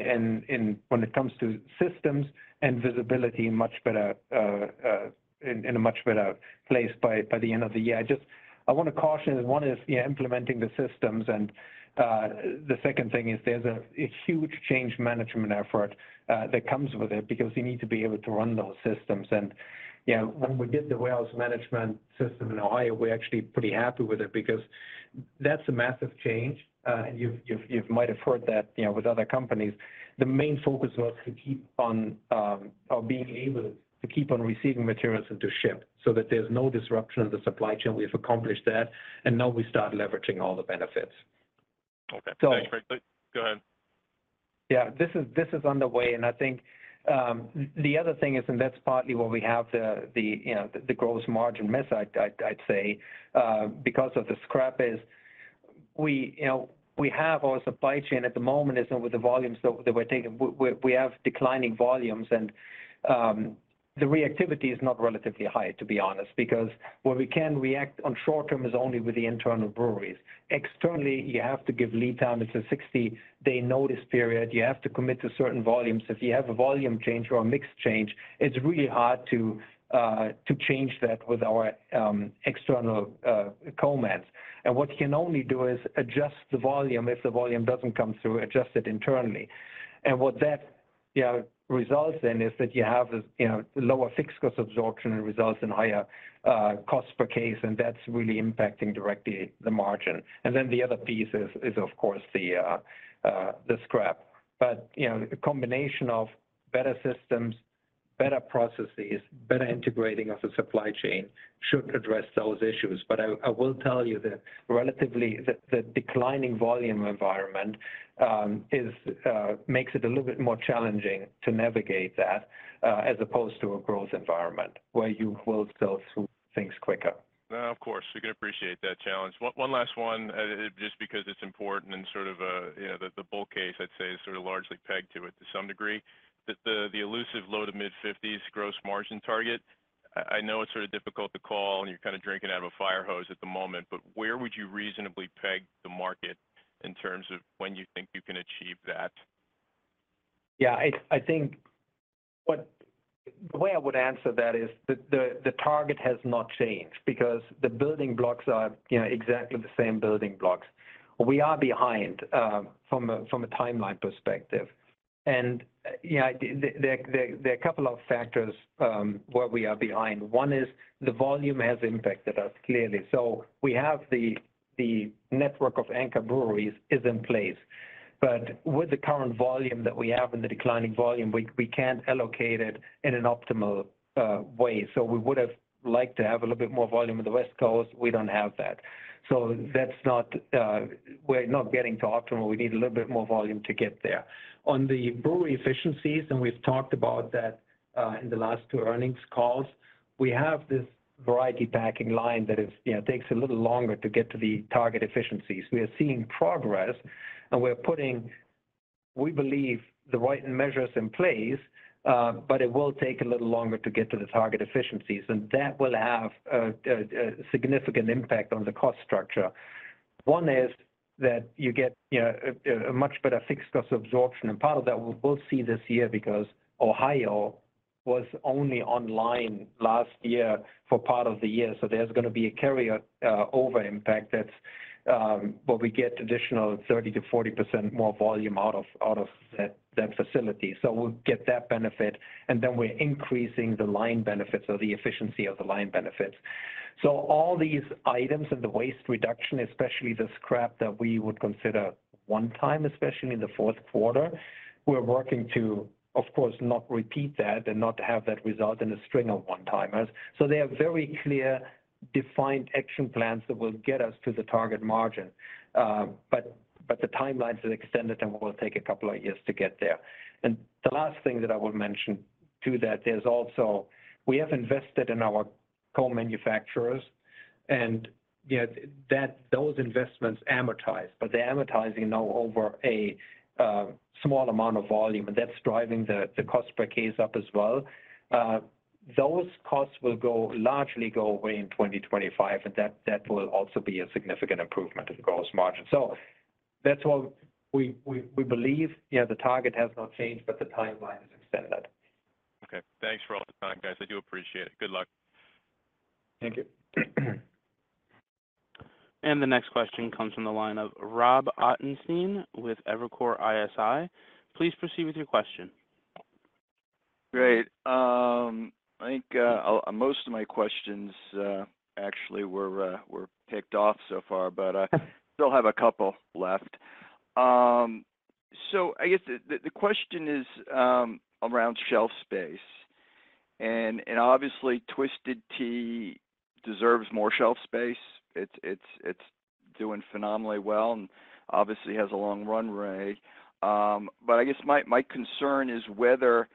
when it comes to systems and visibility, much better in a much better place by the end of the year. I wanna caution one is, yeah, implementing the systems, and the second thing is there's a huge change management effort that comes with it because you need to be able to run those systems. You know, when we did the warehouse management system in Ohio, we're actually pretty happy with it because that's a massive change. You've might have heard that, you know, with other companies. The main focus was to keep on or being able to keep on receiving materials and to ship so that there's no disruption of the supply chain. We've accomplished that, and now we start leveraging all the benefits. Okay. So- Thanks very quick. Go ahead. Yeah. This is underway. I think, the other thing is, and that's partly why we have the, you know, the gross margin miss I'd say, because of the scrap is we, you know, we have our supply chain at the moment is with the volumes that we're taking. We have declining volumes and the reactivity is not relatively high, to be honest, because where we can react on short-term is only with the internal breweries. Externally, you have to give lead time. It's a 60-day notice period. You have to commit to certain volumes. If you have a volume change or a mix change, it's really hard to change that with our external comms. What you can only do is adjust the volume. If the volume doesn't come through, adjust it internally. What that, you know, results in is that you have this, you know, lower fixed cost absorption and results in higher cost per case, and that's really impacting directly the margin. Then the other piece is of course the scrap. You know, the combination of better systems, better processes, better integrating of the supply chain should address those issues. I will tell you that relatively the declining volume environment is makes it a little bit more challenging to navigate that as opposed to a growth environment where you will sell through things quicker. No, of course. We can appreciate that challenge. One last one, just because it's important and sort of, you know, the bull case I'd say is sort of largely pegged to it to some degree. The elusive low to mid-50s gross margin target, I know it's sort of difficult to call and you're kind of drinking out of a fire hose at the moment, but where would you reasonably peg the market in terms of when you think you can achieve that? Yeah. I think the way I would answer that is the target has not changed because the building blocks are, you know, exactly the same building blocks. We are behind from a timeline perspective. You know, there are a couple of factors, why we are behind. One is the volume has impacted us clearly. We have the network of anchor breweries is in place. With the current volume that we have and the declining volume, we can't allocate it in an optimal way. We would have liked to have a little bit more volume in the West Coast. We don't have that. That's not, we're not getting to optimal. We need a little bit more volume to get there. On the brewery efficiencies, we've talked about that, in the last two earnings calls, we have this variety packing line that is, you know, takes a little longer to get to the target efficiencies. We are seeing progress, and we're putting, we believe, the right measures in place, but it will take a little longer to get to the target efficiencies, and that will have a, a significant impact on the cost structure. One is that you get, you know, a much better fixed cost absorption. Part of that we'll both see this year because Ohio was only online last year for part of the year. There's gonna be a carry, over impact that, where we get additional 30%-40% more volume out of that facility. We'll get that benefit, and then we're increasing the line benefits or the efficiency of the line benefits. All these items and the waste reduction, especially the scrap that we would consider one-time, especially in the fourth quarter, we're working to, of course, not repeat that and not have that result in a string of one-timers. The timelines have extended and will take a couple of years to get there. The last thing that I would mention to that is also we have invested in our co-manufacturers, and, yeah, those investments amortize. They're amortizing now over a small amount of volume, and that's driving the cost per case up as well. Those costs will largely go away in 2025, and that will also be a significant improvement in gross margin. That's why we believe, yeah, the target has not changed, but the timeline has extended. Okay. Thanks for all the time, guys. I do appreciate it. Good luck. Thank you. The next question comes from the line of Robert Ottenstein with Evercore ISI. Please proceed with your question. Great. I think most of my questions actually were ticked off so far, but still have a couple left. I guess the question is around shelf space and obviously Twisted Tea deserves more shelf space. It's doing phenomenally well and obviously has a long run rate. I guess my concern is whether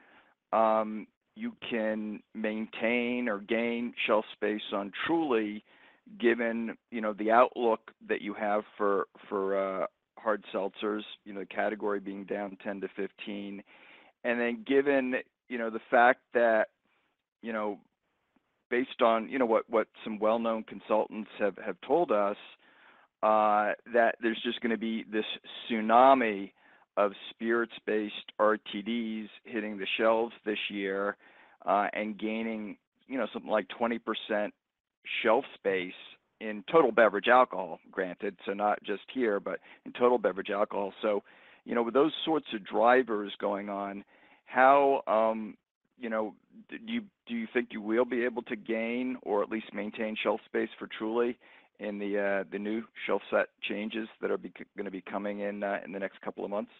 you can maintain or gain shelf space on Truly given, you know, the outlook that you have for hard seltzers, you know, the category being down 10%-15%. Given, you know, the fact that, you know, based on, you know, what some well-known consultants have told us, that there's just gonna be this tsunami of spirits-based RTDs hitting the shelves this year, and gaining, you know, something like 20% shelf space in total beverage alcohol granted, so not just here, but in total beverage alcohol. You know, with those sorts of drivers going on, how, you know, do you think you will be able to gain or at least maintain shelf space for Truly in the new shelf set changes gonna be coming in the next couple of months?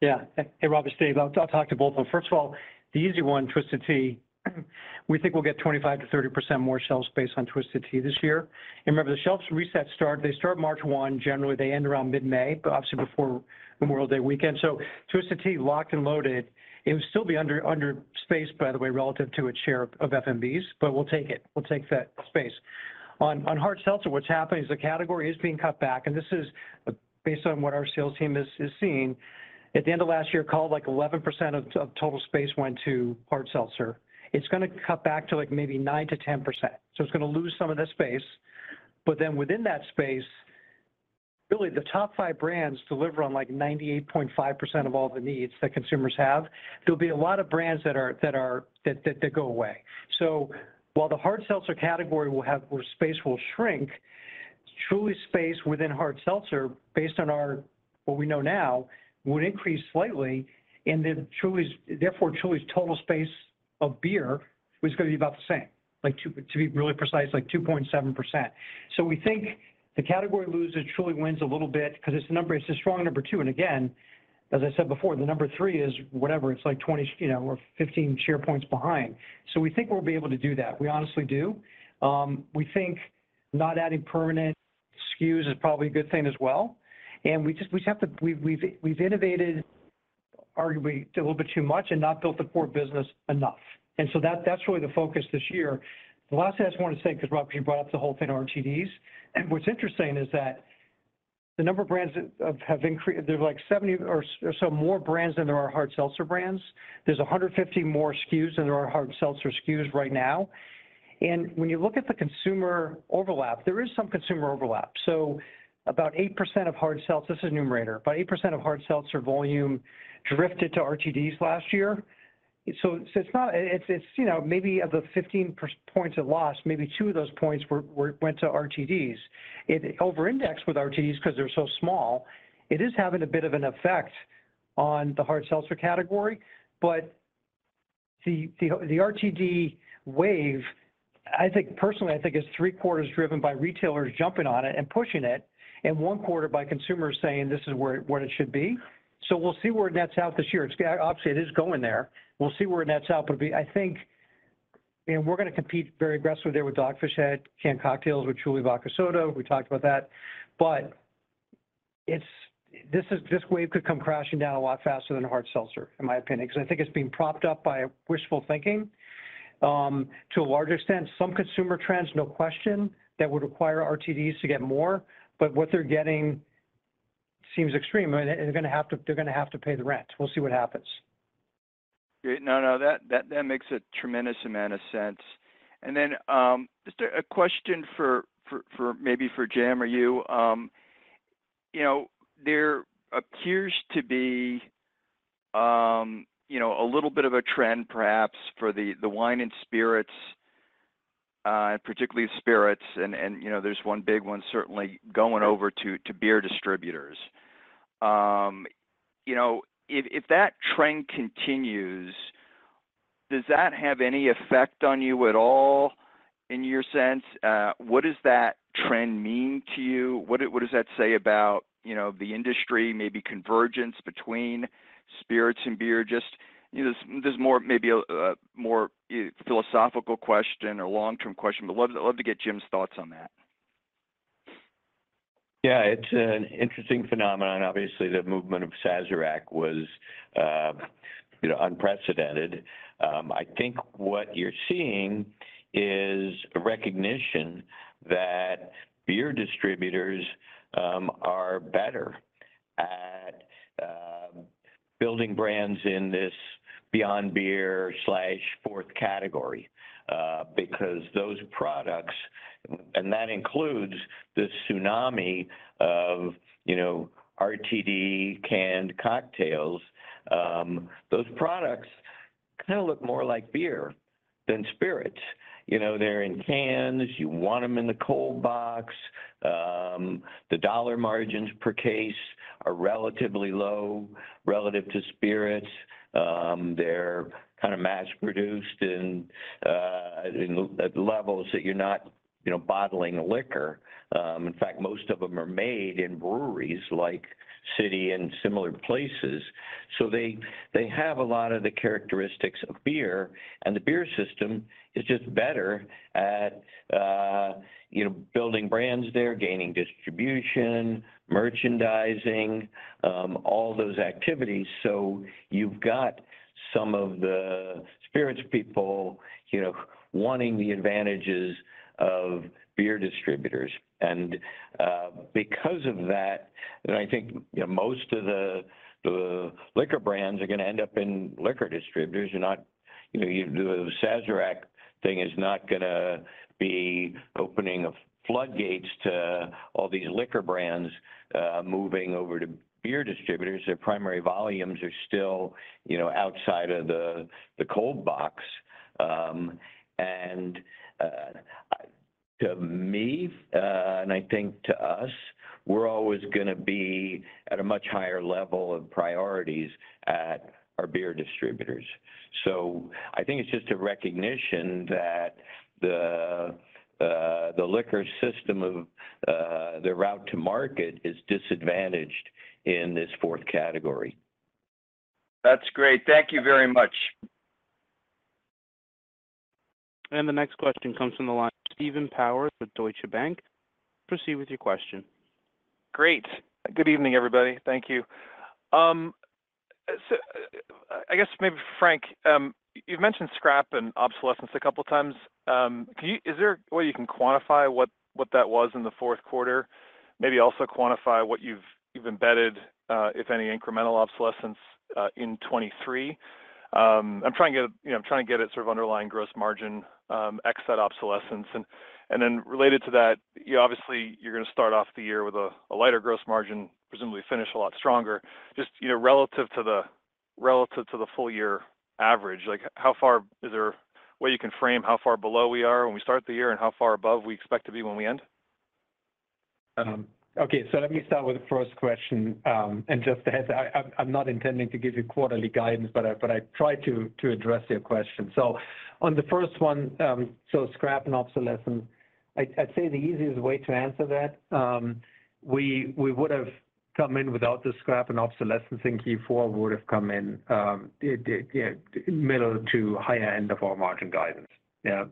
Yeah. Hey, Rob, it's Dave. I'll talk to both of them. First of all, the easy one, Twisted Tea. We think we'll get 25%-30% more shelf space on Twisted Tea this year. Remember, the shelf resets start March 1. Generally, they end around mid-May, but obviously before Memorial Day weekend. Twisted Tea locked and loaded. It would still be under-spaced, by the way, relative to its share of FMBs, but we'll take it. We'll take that space. On hard seltzer, what's happening is the category is being cut back, and this is based on what our sales team is seeing. At the end of last year, called like 11% of total space went to hard seltzer. It's gonna cut back to, like, maybe 9%-10%, it's gonna lose some of that space. Within that space, really the top five brands deliver on, like, 98.5% of all the needs that consumers have. There'll be a lot of brands that are, that go away. While the hard seltzer category where space will shrink, Truly's space within hard seltzer, based on our, what we know now, would increase slightly. Therefore, Truly's total space of beer is gonna be about the same. To be really precise, like 2.7%. We think the category loses, Truly wins a little bit because it's the strong number two. Again, as I said before, the number three is whatever. It's like 20, you know, or 15 share points behind. We think we'll be able to do that. We honestly do. We think not adding permanent SKUs is probably a good thing as well. We just have to... We've innovated arguably a little bit too much and not built the core business enough. That's really the focus this year. The last thing I just wanted to say, 'cause Rob, you brought up the whole thing RTDs, and what's interesting is that the number of brands that have increased, there's like 70 or so more brands than there are hard seltzer brands. There's 150 more SKUs than there are hard seltzer SKUs right now. When you look at the consumer overlap, there is some consumer overlap. About 8% of hard seltzer. This is Numerator. About 8% of hard seltzer volume drifted to RTDs last year. So it's not... It's, you know, maybe of the 15 points it lost, maybe two of those points were went to RTDs. It over-indexed with RTDs 'cause they're so small. It is having a bit of an effect on the hard seltzer category. The RTD wave, I think, personally, I think is three-quarters driven by retailers jumping on it and pushing it, and one-quarter by consumers saying this is where it should be. We'll see where it nets out this year. Obviously, it is going there. We'll see where it nets out, we, I think. You know, we're gonna compete very aggressively there with Dogfish Head canned cocktails, with Truly Vodka Soda. We talked about that. This wave could come crashing down a lot faster than hard seltzer, in my opinion, 'cause I think it's being propped up by wishful thinking to a larger extent. Some consumer trends, no question, that would require RTDs to get more, but what they're getting seems extreme, and they're gonna have to pay the rent. We'll see what happens. Great. No, that makes a tremendous amount of sense. Just a question for maybe for Jim or you. You know, there appears to be, you know, a little bit of a trend perhaps for the wine and spirits, and particularly spirits and, you know, there's one big one certainly going over to beer distributors. You know, if that trend continues, does that have any effect on you at all in your sense? What does that trend mean to you? What does that say about, you know, the industry, maybe convergence between spirits and beer? Just, you know, this is more maybe a more philosophical question or long-term question, love to get Jim's thoughts on that. Yeah. It's an interesting phenomenon. Obviously, the movement of Sazerac was, you know, unprecedented. I think what you're seeing is a recognition that beer distributors are better at building brands in this beyond beer/fourth category. Because those products, and that includes the tsunami of, you know, RTD canned cocktails, those products kind of look more like beer than spirits. You know, they're in cans. You want them in the cold box. The dollar margins per case are relatively low relative to spirits. They're kind of mass-produced in levels that you're not, you know, bottling liquor. In fact, most of them are made in breweries like City and similar places. They have a lot of the characteristics of beer, and the beer system is just better at, you know, building brands there, gaining distribution, merchandising, all those activities. You've got some of the spirits people, you know, wanting the advantages of beer distributors. Because of that, then I think, you know, most of the liquor brands are gonna end up in liquor distributors. The Sazerac thing is not gonna be opening of floodgates to all these liquor brands moving over to beer distributors. Their primary volumes are still, you know, outside of the cold box. To me, and I think to us, we're always gonna be at a much higher level of priorities at our beer distributors. I think it's just a recognition that the liquor system of the route to market is disadvantaged in this fourth category. That's great. Thank you very much. The next question comes from the line of Steven Powers with Deutsche Bank. Proceed with your question. Great good evening everybody thank you I guess maybe Frank, you've mentioned scrap and obsolescence a couple times. Is there a way you can quantify what that was in the fourth quarter? Maybe also quantify what you've embedded, if any incremental obsolescence, in 2023. I'm trying to get, you know, I'm trying to get at sort of underlying gross margin, ex that obsolescence. Related to that, you obviously you're gonna start off the year with a lighter gross margin, presumably finish a lot stronger. Just, you know, relative to the full year average, like, how far? Is there a way you can frame how far below we are when we start the year and how far above we expect to be when we end? Okay. Let me start with the first question. Just ahead, I'm not intending to give you quarterly guidance, but I try to address your question. On the first one, so scrap and obsolescence, I'd say the easiest way to answer that, we would have come in without the scrap and obsolescence in Q4 would have come in, yeah, middle to higher end of our margin guidance. Yeah.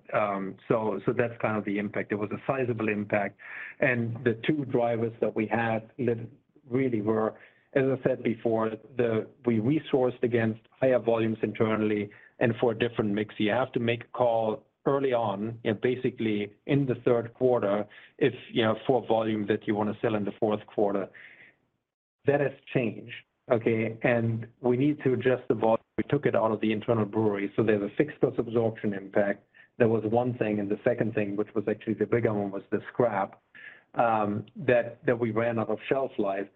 That's kind of the impact. It was a sizable impact. The two drivers that we had that really were, as I said before, we resourced against higher volumes internally and for a different mix. You have to make a call early on and basically in the third quarter if, you know, for volume that you wanna sell in the fourth quarter. That has changed, okay? We need to adjust the volume. We took it out of the internal brewery, so there's a fixed cost absorption impact. That was one thing, and the second thing, which was actually the bigger one, was the scrap that we ran out of shelf life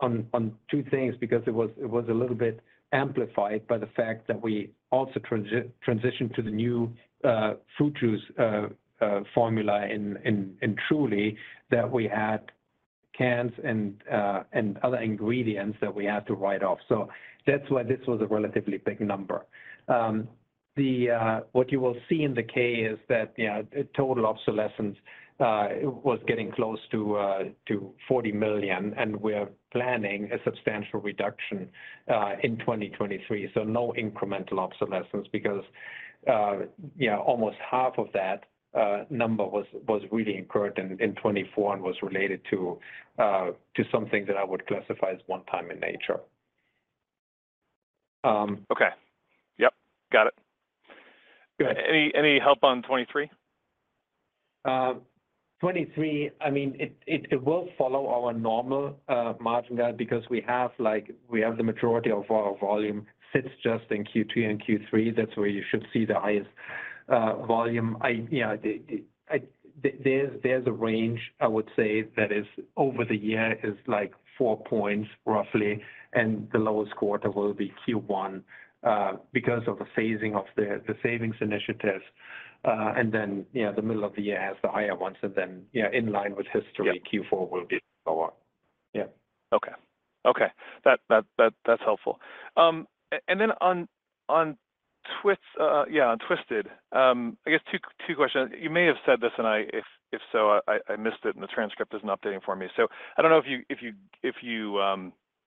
on 2 things because it was a little bit amplified by the fact that we also transitioned to the new fruit juice formula in Truly that we had cans and other ingredients that we had to write off. That's why this was a relatively big number. What you will see in the K is that total obsolescence was getting close to $40 million, and we're planning a substantial reduction in 2023. No incremental obsolescence because, you know, almost half of that number was really incurred in 2024 and was related to something that I would classify as one time in nature. Okay. Yep. Got it. Go ahead. Any help on 2023? 2023, I mean, it will follow our normal margin guide because we have, like, the majority of our volume sits just in Q2 and Q3. That's where you should see the highest volume. I, yeah, there's a range, I would say that is over the year is, like, four points roughly, and the lowest quarter will be Q1 because of the phasing of the savings initiatives. Yeah, the middle of the year has the higher ones, and then, yeah, in line with history... Yeah Q4 will be lower. Yeah. Okay. Okay. That's helpful. And then on Twisted, I guess two questions. You may have said this if so I missed it, and the transcript isn't updating for me. I don't know if you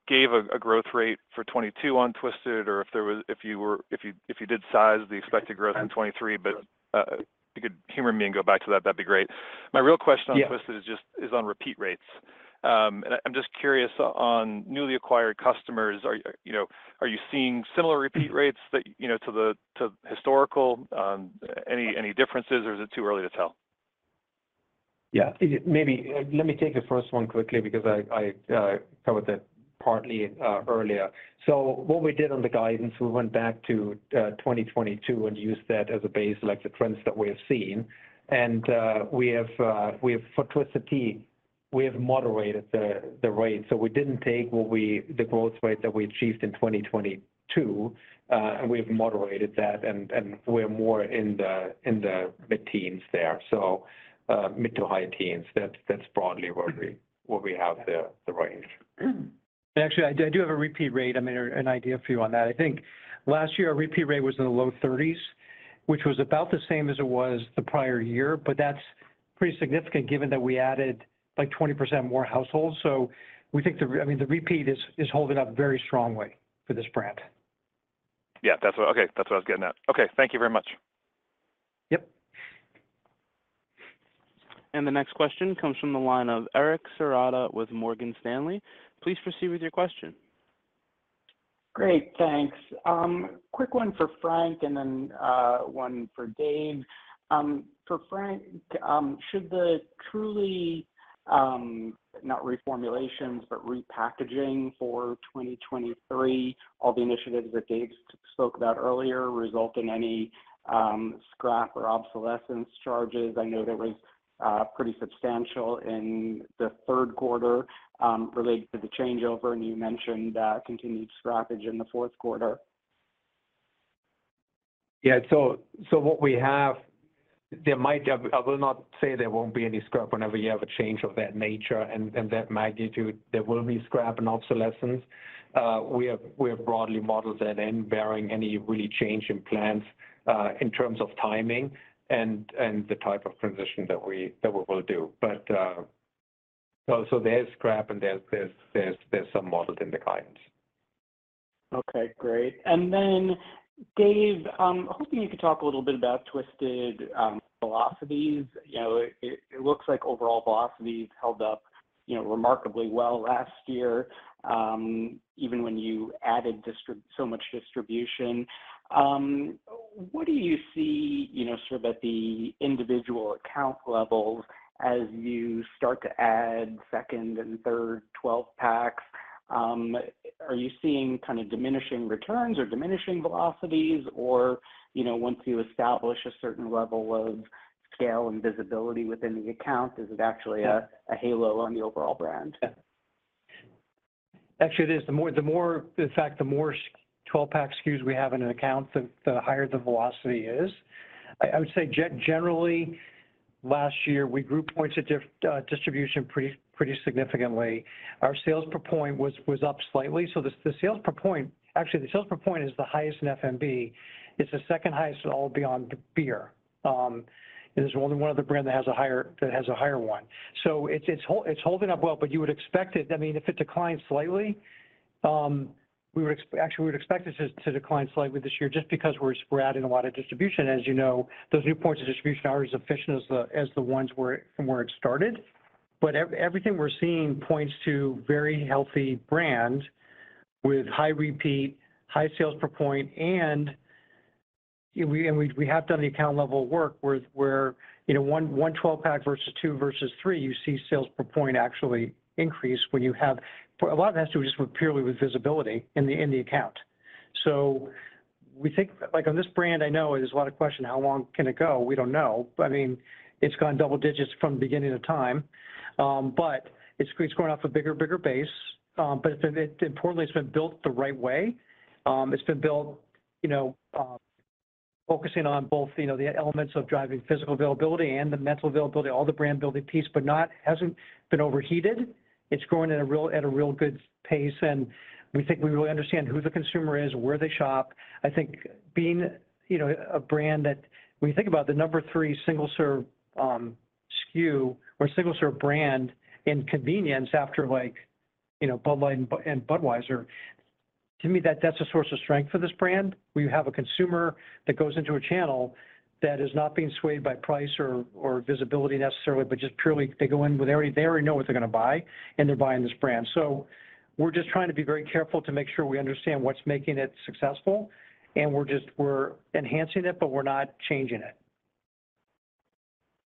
gave a growth rate for 2022 on Twisted or if you did size the expected growth in 2023. Yeah. If you could humor me and go back to that'd be great. My real question on Twisted- Yeah... is on repeat rates. I'm just curious on newly acquired customers. Are you seeing similar repeat rates that, you know, to the historical? Any differences or is it too early to tell? Yeah. Let me take the first one quickly because I covered that partly earlier. What we did on the guidance, we went back to 2022 and used that as a base, like the trends that we have seen. We have for Twisted Tea, we have moderated the rate. We didn't take the growth rate that we achieved in 2022 and we've moderated that and we're more in the mid-teens there. Mid to high teens, that's broadly where we have the range. Actually, I do have a repeat rate, I mean, or an idea for you on that. I think last year our repeat rate was in the low thirties, which was about the same as it was the prior year. That's pretty significant given that we added like 20% more households. We think I mean, the repeat is holding up very strongly for this brand. Yeah. Okay. That's what I was getting at. Okay. Thank you very much. Yep. The next question comes from the line of Eric Serotta with Morgan Stanley. Please proceed with your question. Great thanks quick one for Frank and then one for Dave. For Frank, should the Truly, not reformulations, but repackaging for 2023, all the initiatives that Dave spoke about earlier result in any scrap or obsolescence charges? I know that was pretty substantial in the third quarter, related to the changeover, and you mentioned continued scrappage in the fourth quarter. Yeah. So what we have, I will not say there won't be any scrap whenever you have a change of that nature and that magnitude. There will be scrap and obsolescence. We have broadly modeled that in bearing any really change in plans, in terms of timing and the type of transition that we will do. So, there's scrap and there's some models in the guidance. Okay. Great Dave hoping you could talk a little bit about Twisted velocities. You know, it looks like overall velocities held up, you know, remarkably well last year, even when you added so much distribution. What do you see, you know, sort of at the individual account levels as you start to add second and third 12-packs? Are you seeing kind of diminishing returns or diminishing velocities or, you know, once you establish a certain level of scale and visibility within the account, is it actually a halo on the overall brand? It is. The more In fact, the more 12-pack SKUs we have in an account, the higher the velocity is. I would say generally, last year, we grew points of distribution pretty significantly. Our sales per point was up slightly. Actually, the sales per point is the highest in FMB. It's the second highest of all beyond beer. There's only one other brand that has a higher one. It's holding up well, but you would expect it. I mean, if it declines slightly, we would actually, we would expect it to decline slightly this year just because we're adding a lot of distribution. As you know, those new points of distribution are as efficient as the ones from where it started. Everything we're seeing points to very healthy brand with high repeat, high sales per point, and we have done the account level work where, you know, one 12-pack versus two versus three, you see sales per point actually increase when you have. A lot of it has to do just with purely with visibility in the account. Like on this brand, I know there's a lot of question, how long can it go? We don't know. I mean, it's gone double digits from the beginning of time. It's growing off a bigger base. Importantly, it's been built the right way. It's been built, you know, focusing on both, you know, the elements of driving physical availability and the mental availability, all the brand building piece, but hasn't been overheated. It's growing at a real good pace, and we think we really understand who the consumer is, where they shop. I think being, you know, a brand that when you think about the number three single serve SKU or single serve brand in convenience after like, you know, Bud Light and Budweiser, to me that's a source of strength for this brand, where you have a consumer that goes into a channel that is not being swayed by price or visibility necessarily, but just purely they go in with they already know what they're gonna buy, and they're buying this brand. We're just trying to be very careful to make sure we understand what's making it successful, and we're enhancing it, but we're not changing it.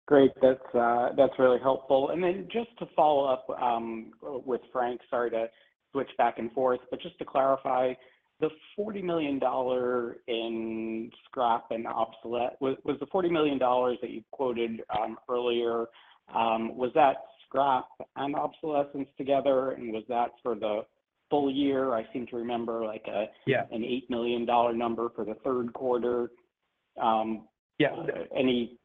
Great. That's that's really helpful. Just to follow up with Frank, sorry to switch back and forth, but just to clarify, the $40 million in scrap and obsolete, was the $40 million that you quoted earlier, was that scrap and obsolescence together, and was that for the? Full year, I seem to remember like a- Yeah... an $8 million number for the third quarter. Yeah. Any...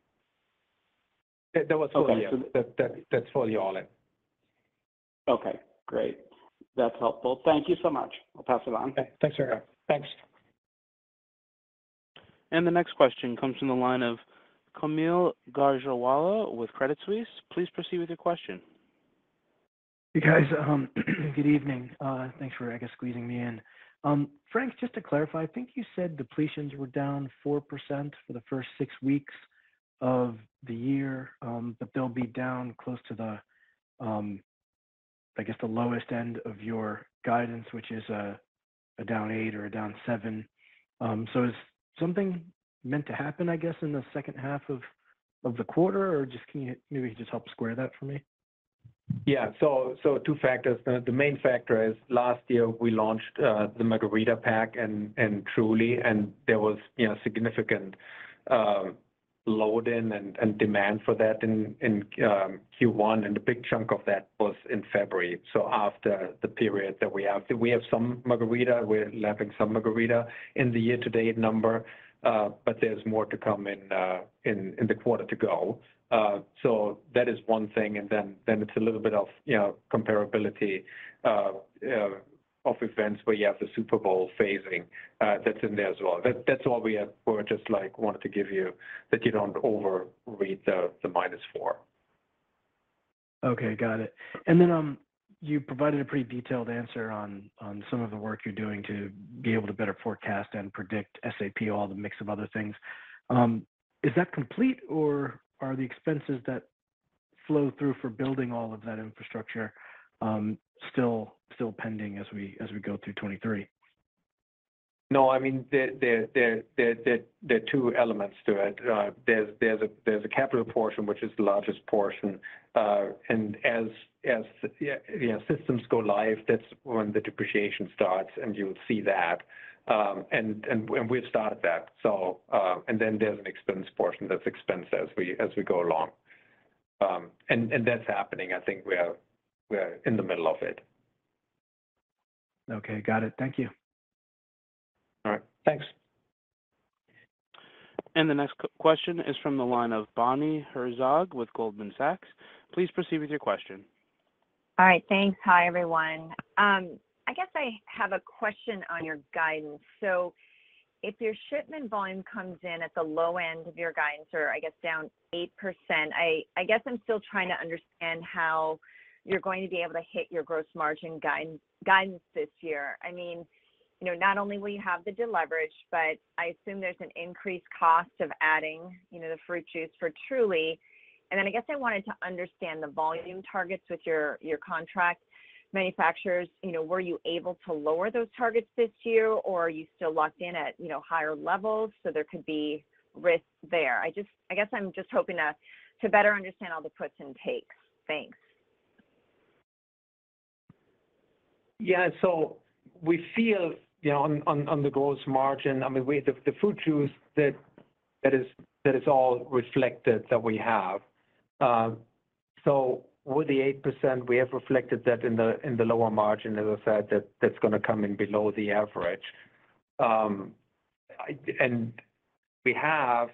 That was full year. Okay. That's full year all in. Okay, great. That's helpful. Thank you so much. I'll pass it on. Okay. Thanks Eric. Thanks. The next question comes from the line of Kaumil Gajrawala with Credit Suisse. Please proceed with your question. Hey, guys. Good evening. Thanks for, I guess, squeezing me in. Frank, just to clarify, I think you said depletions were down 4% for the first six weeks of the year, but they'll be down close to the, I guess, the lowest end of your guidance, which is a down eight or a down seven. Is something meant to happen, I guess, in the second half of the quarter? Or just can you maybe just help square that for me? Two factors. The main factor is last year we launched the Margarita pack and Truly, and there was, you know, significant load in and demand for that in Q1, and a big chunk of that was in February. After the period that we have. We have some Margarita. We're lapping some Margarita in the year-to-date number, but there's more to come in the quarter to go. That is one thing. Then it's a little bit of, you know, comparability of events where you have the Super Bowl phasing that's in there as well. That's all we have, or just like wanted to give you that you don't overread the -4. Okay. Got it. Then, you provided a pretty detailed answer on some of the work you're doing to be able to better forecast and predict SAP, all the mix of other things. Is that complete, or are the expenses that flow through for building all of that infrastructure still pending as we go through 2023? No. I mean, there are two elements to it. There's a capital portion, which is the largest portion. As you know, systems go live, that's when the depreciation starts, and you'll see that. We've started that. Then there's an expense portion that's expense as we go along. And that's happening. I think we are in the middle of it. Okay. Got it. Thank you. All right. Thanks. The next question is from the line of Bonnie Herzog with Goldman Sachs. Please proceed with your question. All right. Thanks. Hi, everyone. I guess I have a question on your guidance. If your shipment volume comes in at the low end of your guidance or, I guess, down 8%, I guess I'm still trying to understand how you're going to be able to hit your gross margin guidance this year. I mean, you know, not only will you have the deleverage, but I assume there's an increased cost of adding, you know, the fruit juice for Truly. Then I guess I wanted to understand the volume targets with your contract manufacturers. You know, were you able to lower those targets this year, or are you still locked in at, you know, higher levels, so there could be risks there? I guess I'm just hoping to better understand all the puts and takes. Thanks. Yeah. We feel, you know, on the gross margin. I mean, the fruit juice that is all reflected that we have. With the 8%, we have reflected that in the lower margin. As I said, that's gonna come in below the average. We have.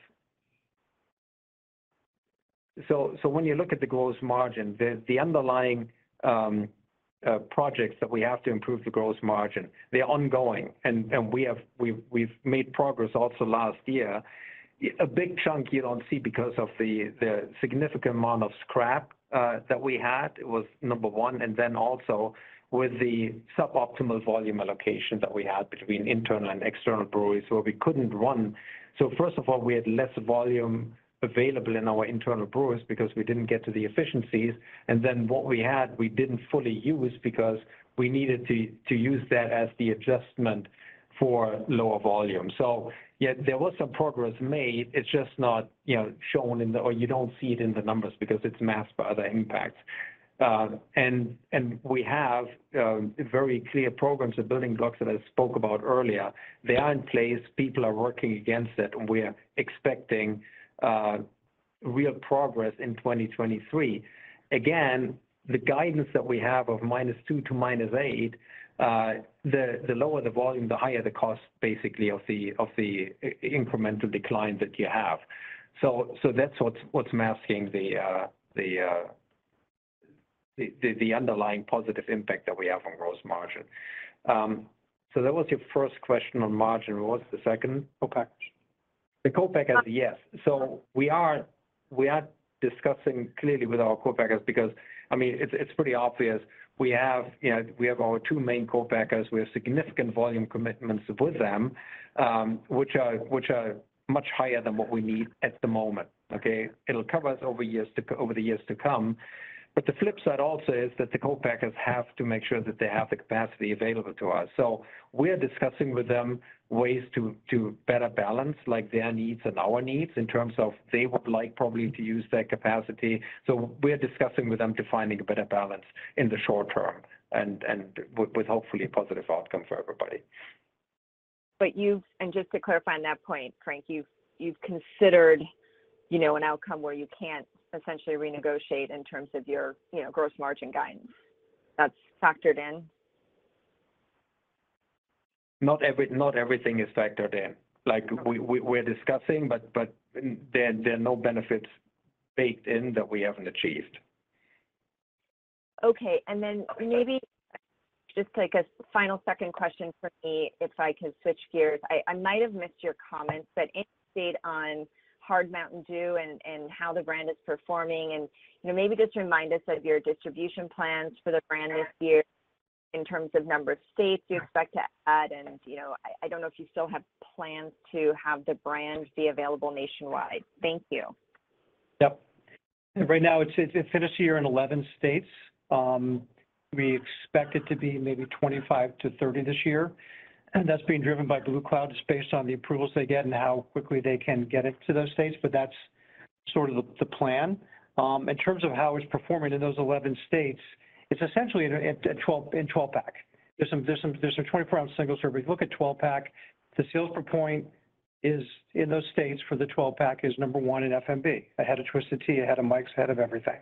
When you look at the gross margin, the underlying projects that we have to improve the gross margin, they're ongoing and we've made progress also last year. A big chunk you don't see because of the significant amount of scrap that we had was number one, and then also with the suboptimal volume allocation that we had between internal and external breweries, so we couldn't run. First of all, we had less volume available in our internal brewers because we didn't get to the efficiencies. What we had, we didn't fully use because we needed to use that as the adjustment for lower volume. Yeah, there was some progress made. It's just not, you know, shown in the numbers because it's masked by other impacts. We have very clear programs, the building blocks that I spoke about earlier. They are in place. People are working against it, and we're expecting real progress in 2023. Again, the guidance that we have of -2 to -8, the lower the volume, the higher the cost basically of the incremental decline that you have. That's what's masking the underlying positive impact that we have on gross margin. That was your first question on margin. What's the second? Co-packers. The co-packer, yes. We are discussing clearly with our two main co-packers because, I mean, it's pretty obvious we have, you know, we have our two main co-packers. We have significant volume commitments with them, which are much higher than what we need at the moment, okay? It'll cover us over the years to come. The flip side also is that the co-packers have to make sure that they have the capacity available to us. We are discussing with them ways to better balance, like, their needs and our needs in terms of they would like probably to use that capacity. We're discussing with them to finding a better balance in the short term and with hopefully a positive outcome for everybody. Just to clarify on that point, Frank, you've considered, you know, an outcome where you can't essentially renegotiate in terms of your, you know, gross margin guidance. That's factored in? Not everything is factored in. Like, we're discussing, but there are no benefits baked in that we haven't achieved. Okay. Then maybe just like a final second question for me, if I could switch gears. I might have missed your comments, but any update on Hard Mountain Dew and how the brand is performing? You know, maybe just remind us of your distribution plans for the brand this year in terms of number of states you expect to add. You know, I don't know if you still have plans to have the brand be available nationwide. Thank you. Yep. Right now it's finished the year in 11 states. We expect it to be maybe 25-30 this year, that's being driven by Blue Cloud. It's based on the approvals they get and how quickly they can get it to those states. That's sort of the plan. In terms of how it's performing in those 11 states, it's essentially in a 12-pack. There's some 24 ounce singles, but if you look at 12-pack, the sales per point is, in those states for the 12-pack, is number 1 in FMB. Ahead of Twisted Tea, ahead of Mike's, ahead of everything.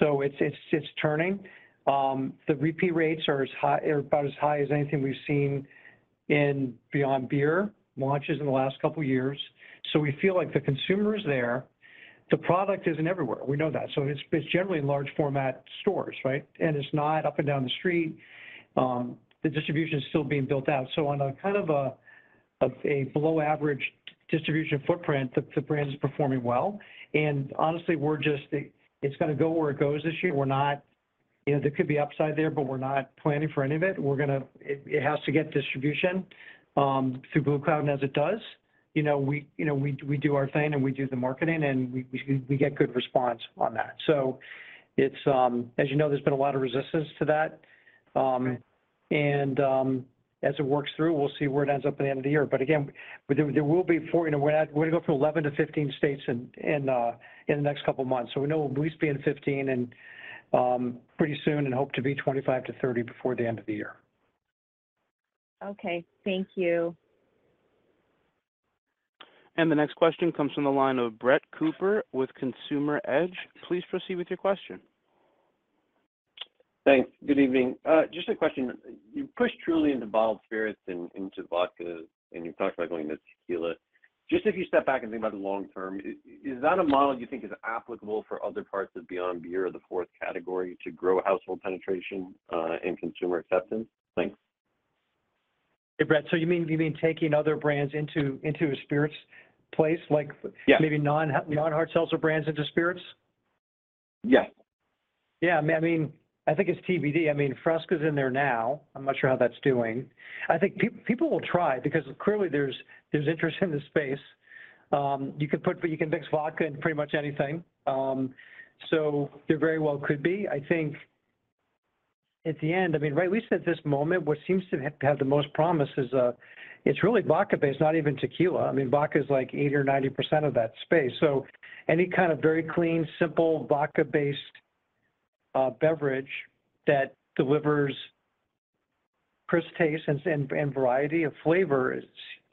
It's turning. The repeat rates are about as high as anything we've seen in Beyond Beer launches in the last couple years. We feel like the consumer is there. The product isn't everywhere. We know that. It's generally in large format stores, right? It's not up and down the street. The distribution is still being built out. On a kind of a below average distribution footprint, the brand is performing well. Honestly, we're just It's gonna go where it goes this year. We're not You know, there could be upside there, but we're not planning for any of it. We're gonna It has to get distribution through Blue Cloud, and as it does, you know, we, you know, we do our thing and we do the marketing and we get good response on that. It's As you know, there's been a lot of resistance to that. As it works through, we'll see where it ends up at the end of the year. Again, there will be... You know, we're gonna go from 11- 15 states in the next couple of months. We know we'll at least be in 15 and, pretty soon and hope to be 25-30 before the end of the year. Okay. Thank you. The next question comes from the line of Brett Cooper with Consumer Edge. Please proceed with your question. Thanks good evening just a question. You pushed Truly into bottled spirits and into vodka, and you've talked about going into tequila. Just if you step back and think about the long term, is that a model you think is applicable for other parts of Beyond Beer or the fourth category to grow household penetration, and consumer acceptance? Thanks. Hey Brett you mean taking other brands into a spirits place like? Yeah... maybe non-hard seltzer brands into spirits? Yeah. I mean, I think it's TBD. I mean, Fresca's in there now. I'm not sure how that's doing. I think people will try because clearly there's interest in this space. You can mix vodka in pretty much anything. So there very well could be. I think at the end, I mean, right, at least at this moment, what seems to have the most promise is really vodka-based, not even tequila. I mean, vodka is like 80% or 90% of that space. So any kind of very clean, simple, vodka-based beverage that delivers crisp taste and, and variety of flavor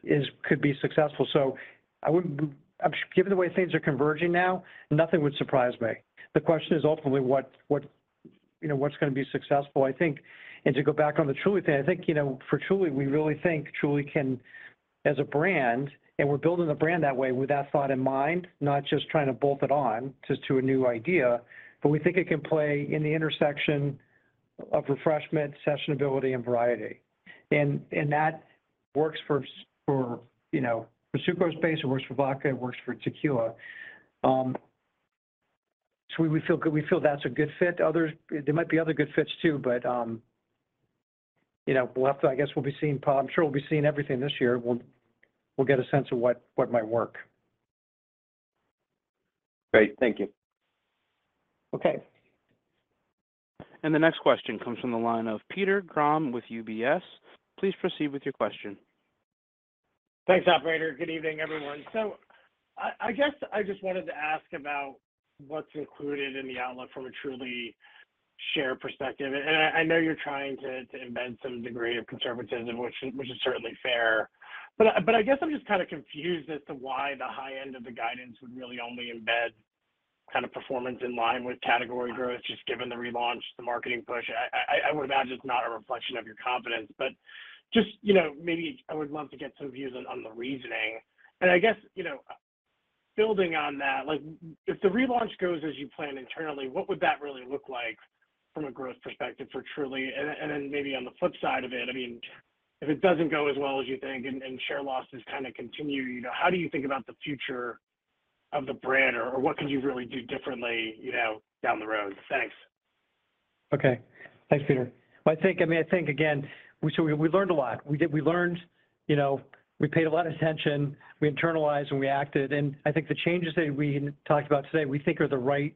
is could be successful. Given the way things are converging now, nothing would surprise me. The question is ultimately what, you know, what's gonna be successful, I think. To go back on the Truly thing, I think, you know, for Truly, we really think Truly can, as a brand, and we're building the brand that way with that thought in mind, not just trying to bolt it on to a new idea, but we think it can play in the intersection of refreshment, sessionability, and variety. That works for, you know, for sucrose-based. It works for vodka. It works for tequila. So we feel that's a good fit. Others. There might be other good fits too, but, you know, we'll have to. I guess we'll be seeing. I'm sure we'll be seeing everything this year. We'll get a sense of what might work. Great. Thank you. Okay. The next question comes from the line of Peter Grom with UBS. Please proceed with your question. Thanks, operator. Good evening, everyone. I guess I just wanted to ask about what's included in the outlook from a Truly share perspective. I know you're trying to embed some degree of conservatism, which is certainly fair. But I guess I'm just kind of confused as to why the high end of the guidance would really only embed kind of performance in line with category growth, just given the relaunch, the marketing push. I would imagine it's not a reflection of your confidence, but just, you know, maybe I would love to get some views on the reasoning. I guess, you know, building on that, like if the relaunch goes as you plan internally, what would that really look like from a growth perspective for Truly? Maybe on the flip side of it, I mean, if it doesn't go as well as you think and share losses kind of continue, you know, how do you think about the future of the brand? What can you really do differently, you know, down the road? Thanks. Okay. Thanks Peter I think, I mean, I think, again, we learned a lot. We learned, you know, we paid a lot of attention, we internalized, and we acted. I think the changes that we talked about today, we think are the right,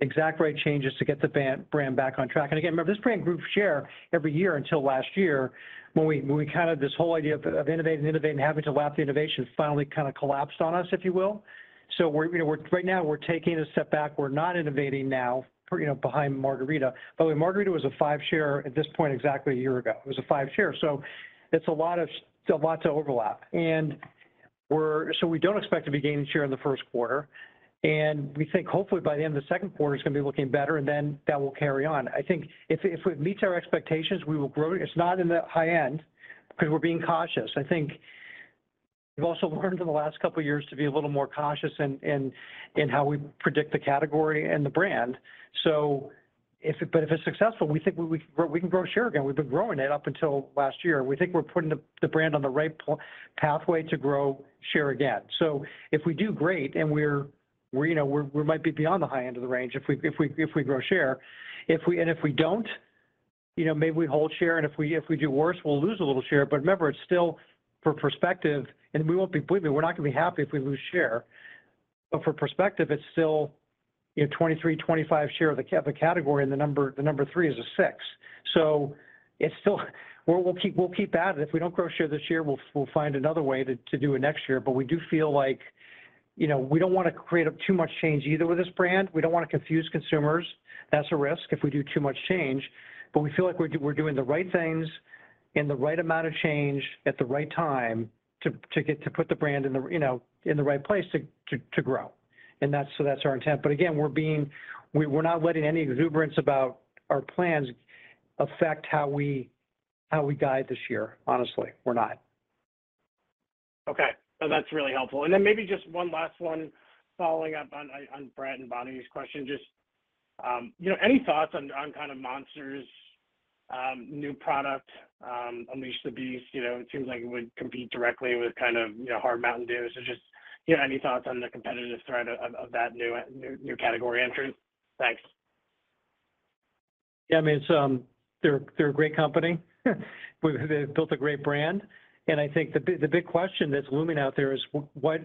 exact right changes to get the brand back on track. Again, remember, this brand grew share every year until last year when we kind of. This whole idea of innovating and having to lap the innovation finally kind of collapsed on us, if you will. We're, you know, right now we're taking a step back. We're not innovating now, you know, behind margarita. By the way, margarita was a five share at this point exactly a year ago. It was a five share. It's a lot of a lot to overlap. We don't expect to be gaining share in the first quarter, and we think hopefully by the end of the second quarter it's gonna be looking better, and then that will carry on. I think if it meets our expectations, we will grow. It's not in the high end because we're being cautious. I think we've also learned in the last couple of years to be a little more cautious in how we predict the category and the brand. If it's successful, we think we can grow share again. We've been growing it up until last year. We think we're putting the brand on the right pathway to grow share again. If we do great and we're, you know, we might be beyond the high end of the range, if we grow share. If we don't, you know, maybe we hold share, and if we do worse, we'll lose a little share. Remember, it's still for perspective, and believe me, we're not gonna be happy if we lose share. For perspective, it's still, you know, 23%-25% share of the category, and the number three is a 6%. It's still we'll keep at it. If we don't grow share this year, we'll find another way to do it next year. We do feel like, you know, we don't wanna create up too much change either with this brand. We don't wanna confuse consumers. That's a risk if we do too much change. We feel like we're doing the right things and the right amount of change at the right time to put the brand in the, you know, in the right place to grow. That's our intent. Again, we're not letting any exuberance about our plans affect how we guide this year. Honestly, we're not. Okay. No, that's really helpful. Maybe just one last one following up on on Brett and Bonnie's question. Just, you know, any thoughts on on kind of Monster's new product, The Beast Unleashed? You know, it seems like it would compete directly with kind of, you know, Hard Mountain Dew. Just, you know, any thoughts on the competitive threat of that new category entry? Thanks. Yeah, I mean, it's, they're a great company. They've built a great brand, and I think the big, the big question that's looming out there is what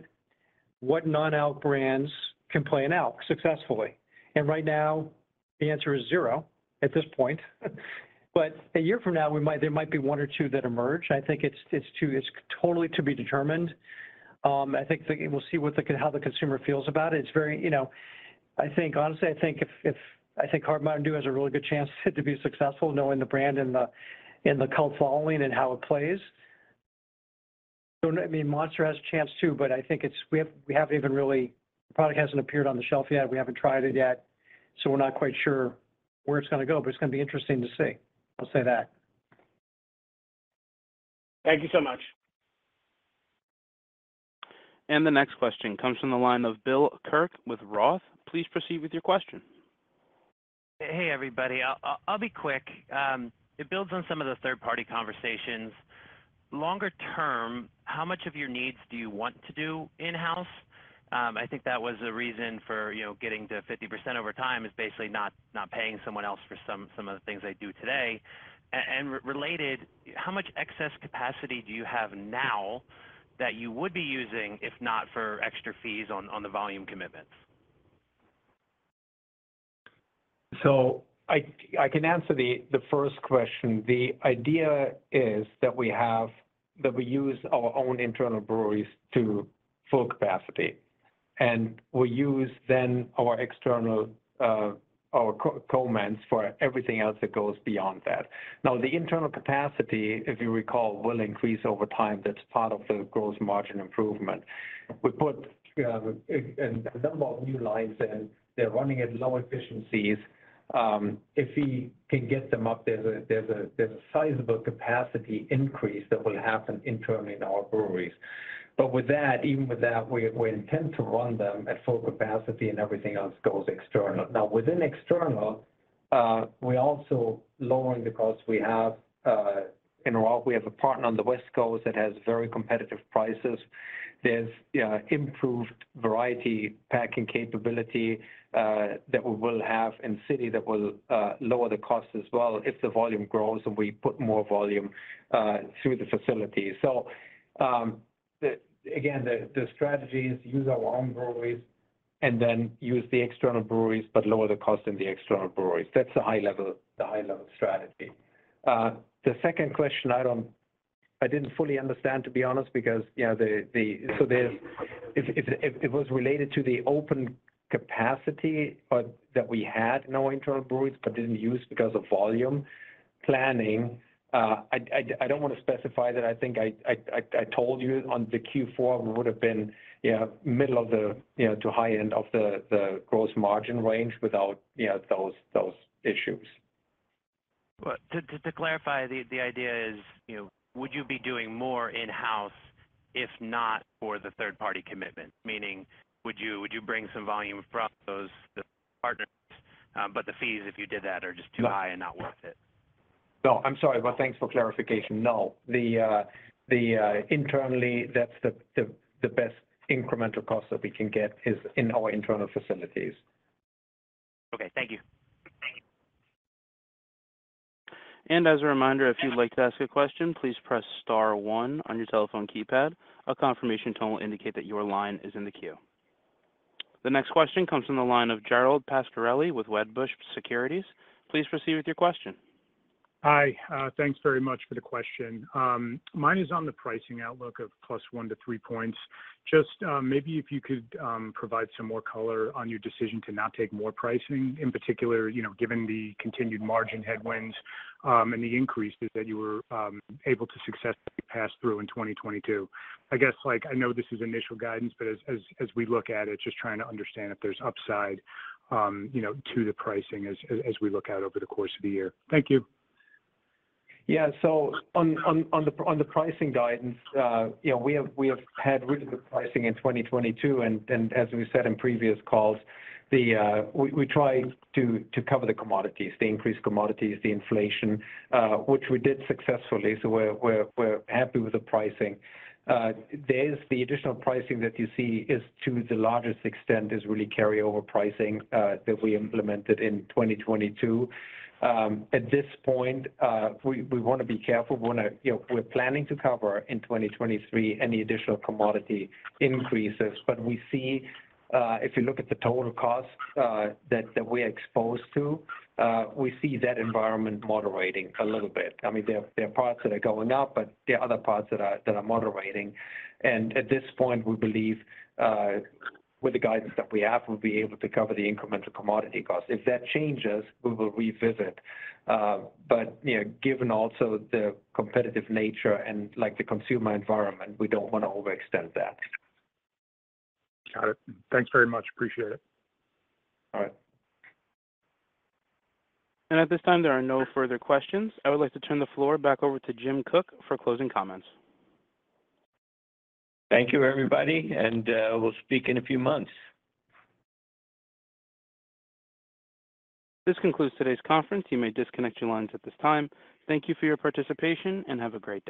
non-alc brands can play an alc successfully. Right now, the answer is zero at this point. A year from now, there might be one or two that emerge. I think it's totally to be determined. I think we'll see how the consumer feels about it. It's very, you know. I think, honestly, I think if I think Hard Mountain Dew has a really good chance to be successful knowing the brand and the, and the cult following and how it plays. I mean, Monster has a chance too, but I think we haven't even really. The product hasn't appeared on the shelf yet. We haven't tried it yet, so we're not quite sure where it's gonna go, but it's gonna be interesting to see. I'll say that. Thank you so much. The next question comes from the line of Bill Kirk with Roth. Please proceed with your question. Hey everybody I'll be quick. It builds on some of the third-party conversations. Longer term, how much of your needs do you want to do in-house? I think that was a reason for, you know, getting to 50% over time is basically not paying someone else for some of the things they do today. Related, how much excess capacity do you have now that you would be using if not for extra fees on the volume commitments? I can answer the first question. The idea is that we use our own internal breweries to full capacity, and we use then our external co-mans for everything else that goes beyond that. The internal capacity, if you recall, will increase over time. That's part of the gross margin improvement. We put a number of new lines, and they're running at low efficiencies. If we can get them up, there's a sizable capacity increase that will happen internally in our breweries. With that, even with that, we intend to run them at full capacity and everything else goes external. Within external, we're also lowering the costs we have. In Roth, we have a partner on the West Coast that has very competitive prices. There's improved variety, packing capability that we will have in city that will lower the cost as well if the volume grows, we put more volume through the facility. Again, the strategy is to use our own breweries then use the external breweries, lower the cost in the external breweries. That's the high level strategy. The second question I didn't fully understand, to be honest, because, you know, if it was related to the open capacity that we had no internal breweries didn't use because of volume planning, I don't wanna specify that. I think I told you on the Q4 it would have been, you know, middle of the, you know, to high end of the gross margin range without, you know, those issues. Well, to clarify, the idea is, you know, would you be doing more in-house if not for the third party commitment? Meaning, would you bring some volume from those, the partners, but the fees, if you did that, are just too high and not worth it. No, I'm sorry, but thanks for clarification. No. The internally, that's the best incremental cost that we can get is in our internal facilities. Okay. Thank you. As a reminder, if you'd like to ask a question, please press star one on your telephone keypad. A confirmation tone will indicate that your line is in the queue. The next question comes from the line of Gerald Pascarelli with Wedbush Securities. Please proceed with your question. Hi thanks very much for the question. Mine is on the pricing outlook of +1-3 points. Just, maybe if you could, provide some more color on your decision to not take more pricing, in particular, you know, given the continued margin headwinds, and the increases that you were, able to successfully pass through in 2022. I guess, like, I know this is initial guidance, but as we look at it, just trying to understand if there's upside, you know, to the pricing as we look out over the course of the year. Thank you. Yeah. On the pricing guidance, you know, we have had really good pricing in 2022, and as we said in previous calls, we try to cover the commodities, the increased commodities, the inflation, which we did successfully. We're happy with the pricing. There's the additional pricing that you see is, to the largest extent, is really carryover pricing, that we implemented in 2022. At this point, we wanna be careful. We wanna, you know. We're planning to cover in 2023 any additional commodity increases. We see, if you look at the total cost, that we're exposed to, we see that environment moderating a little bit. I mean, there are parts that are going up, but there are other parts that are moderating. At this point, we believe, with the guidance that we have, we'll be able to cover the incremental commodity costs. If that changes, we will revisit. You know, given also the competitive nature and, like, the consumer environment, we don't wanna overextend that. Got it. Thanks very much. Appreciate it. All right. At this time, there are no further questions. I would like to turn the floor back over to Jim Koch for closing comments. Thank you, everybody, and, we'll speak in a few months. This concludes today's conference. You may disconnect your lines at this time. Thank you for your participation, and have a great day.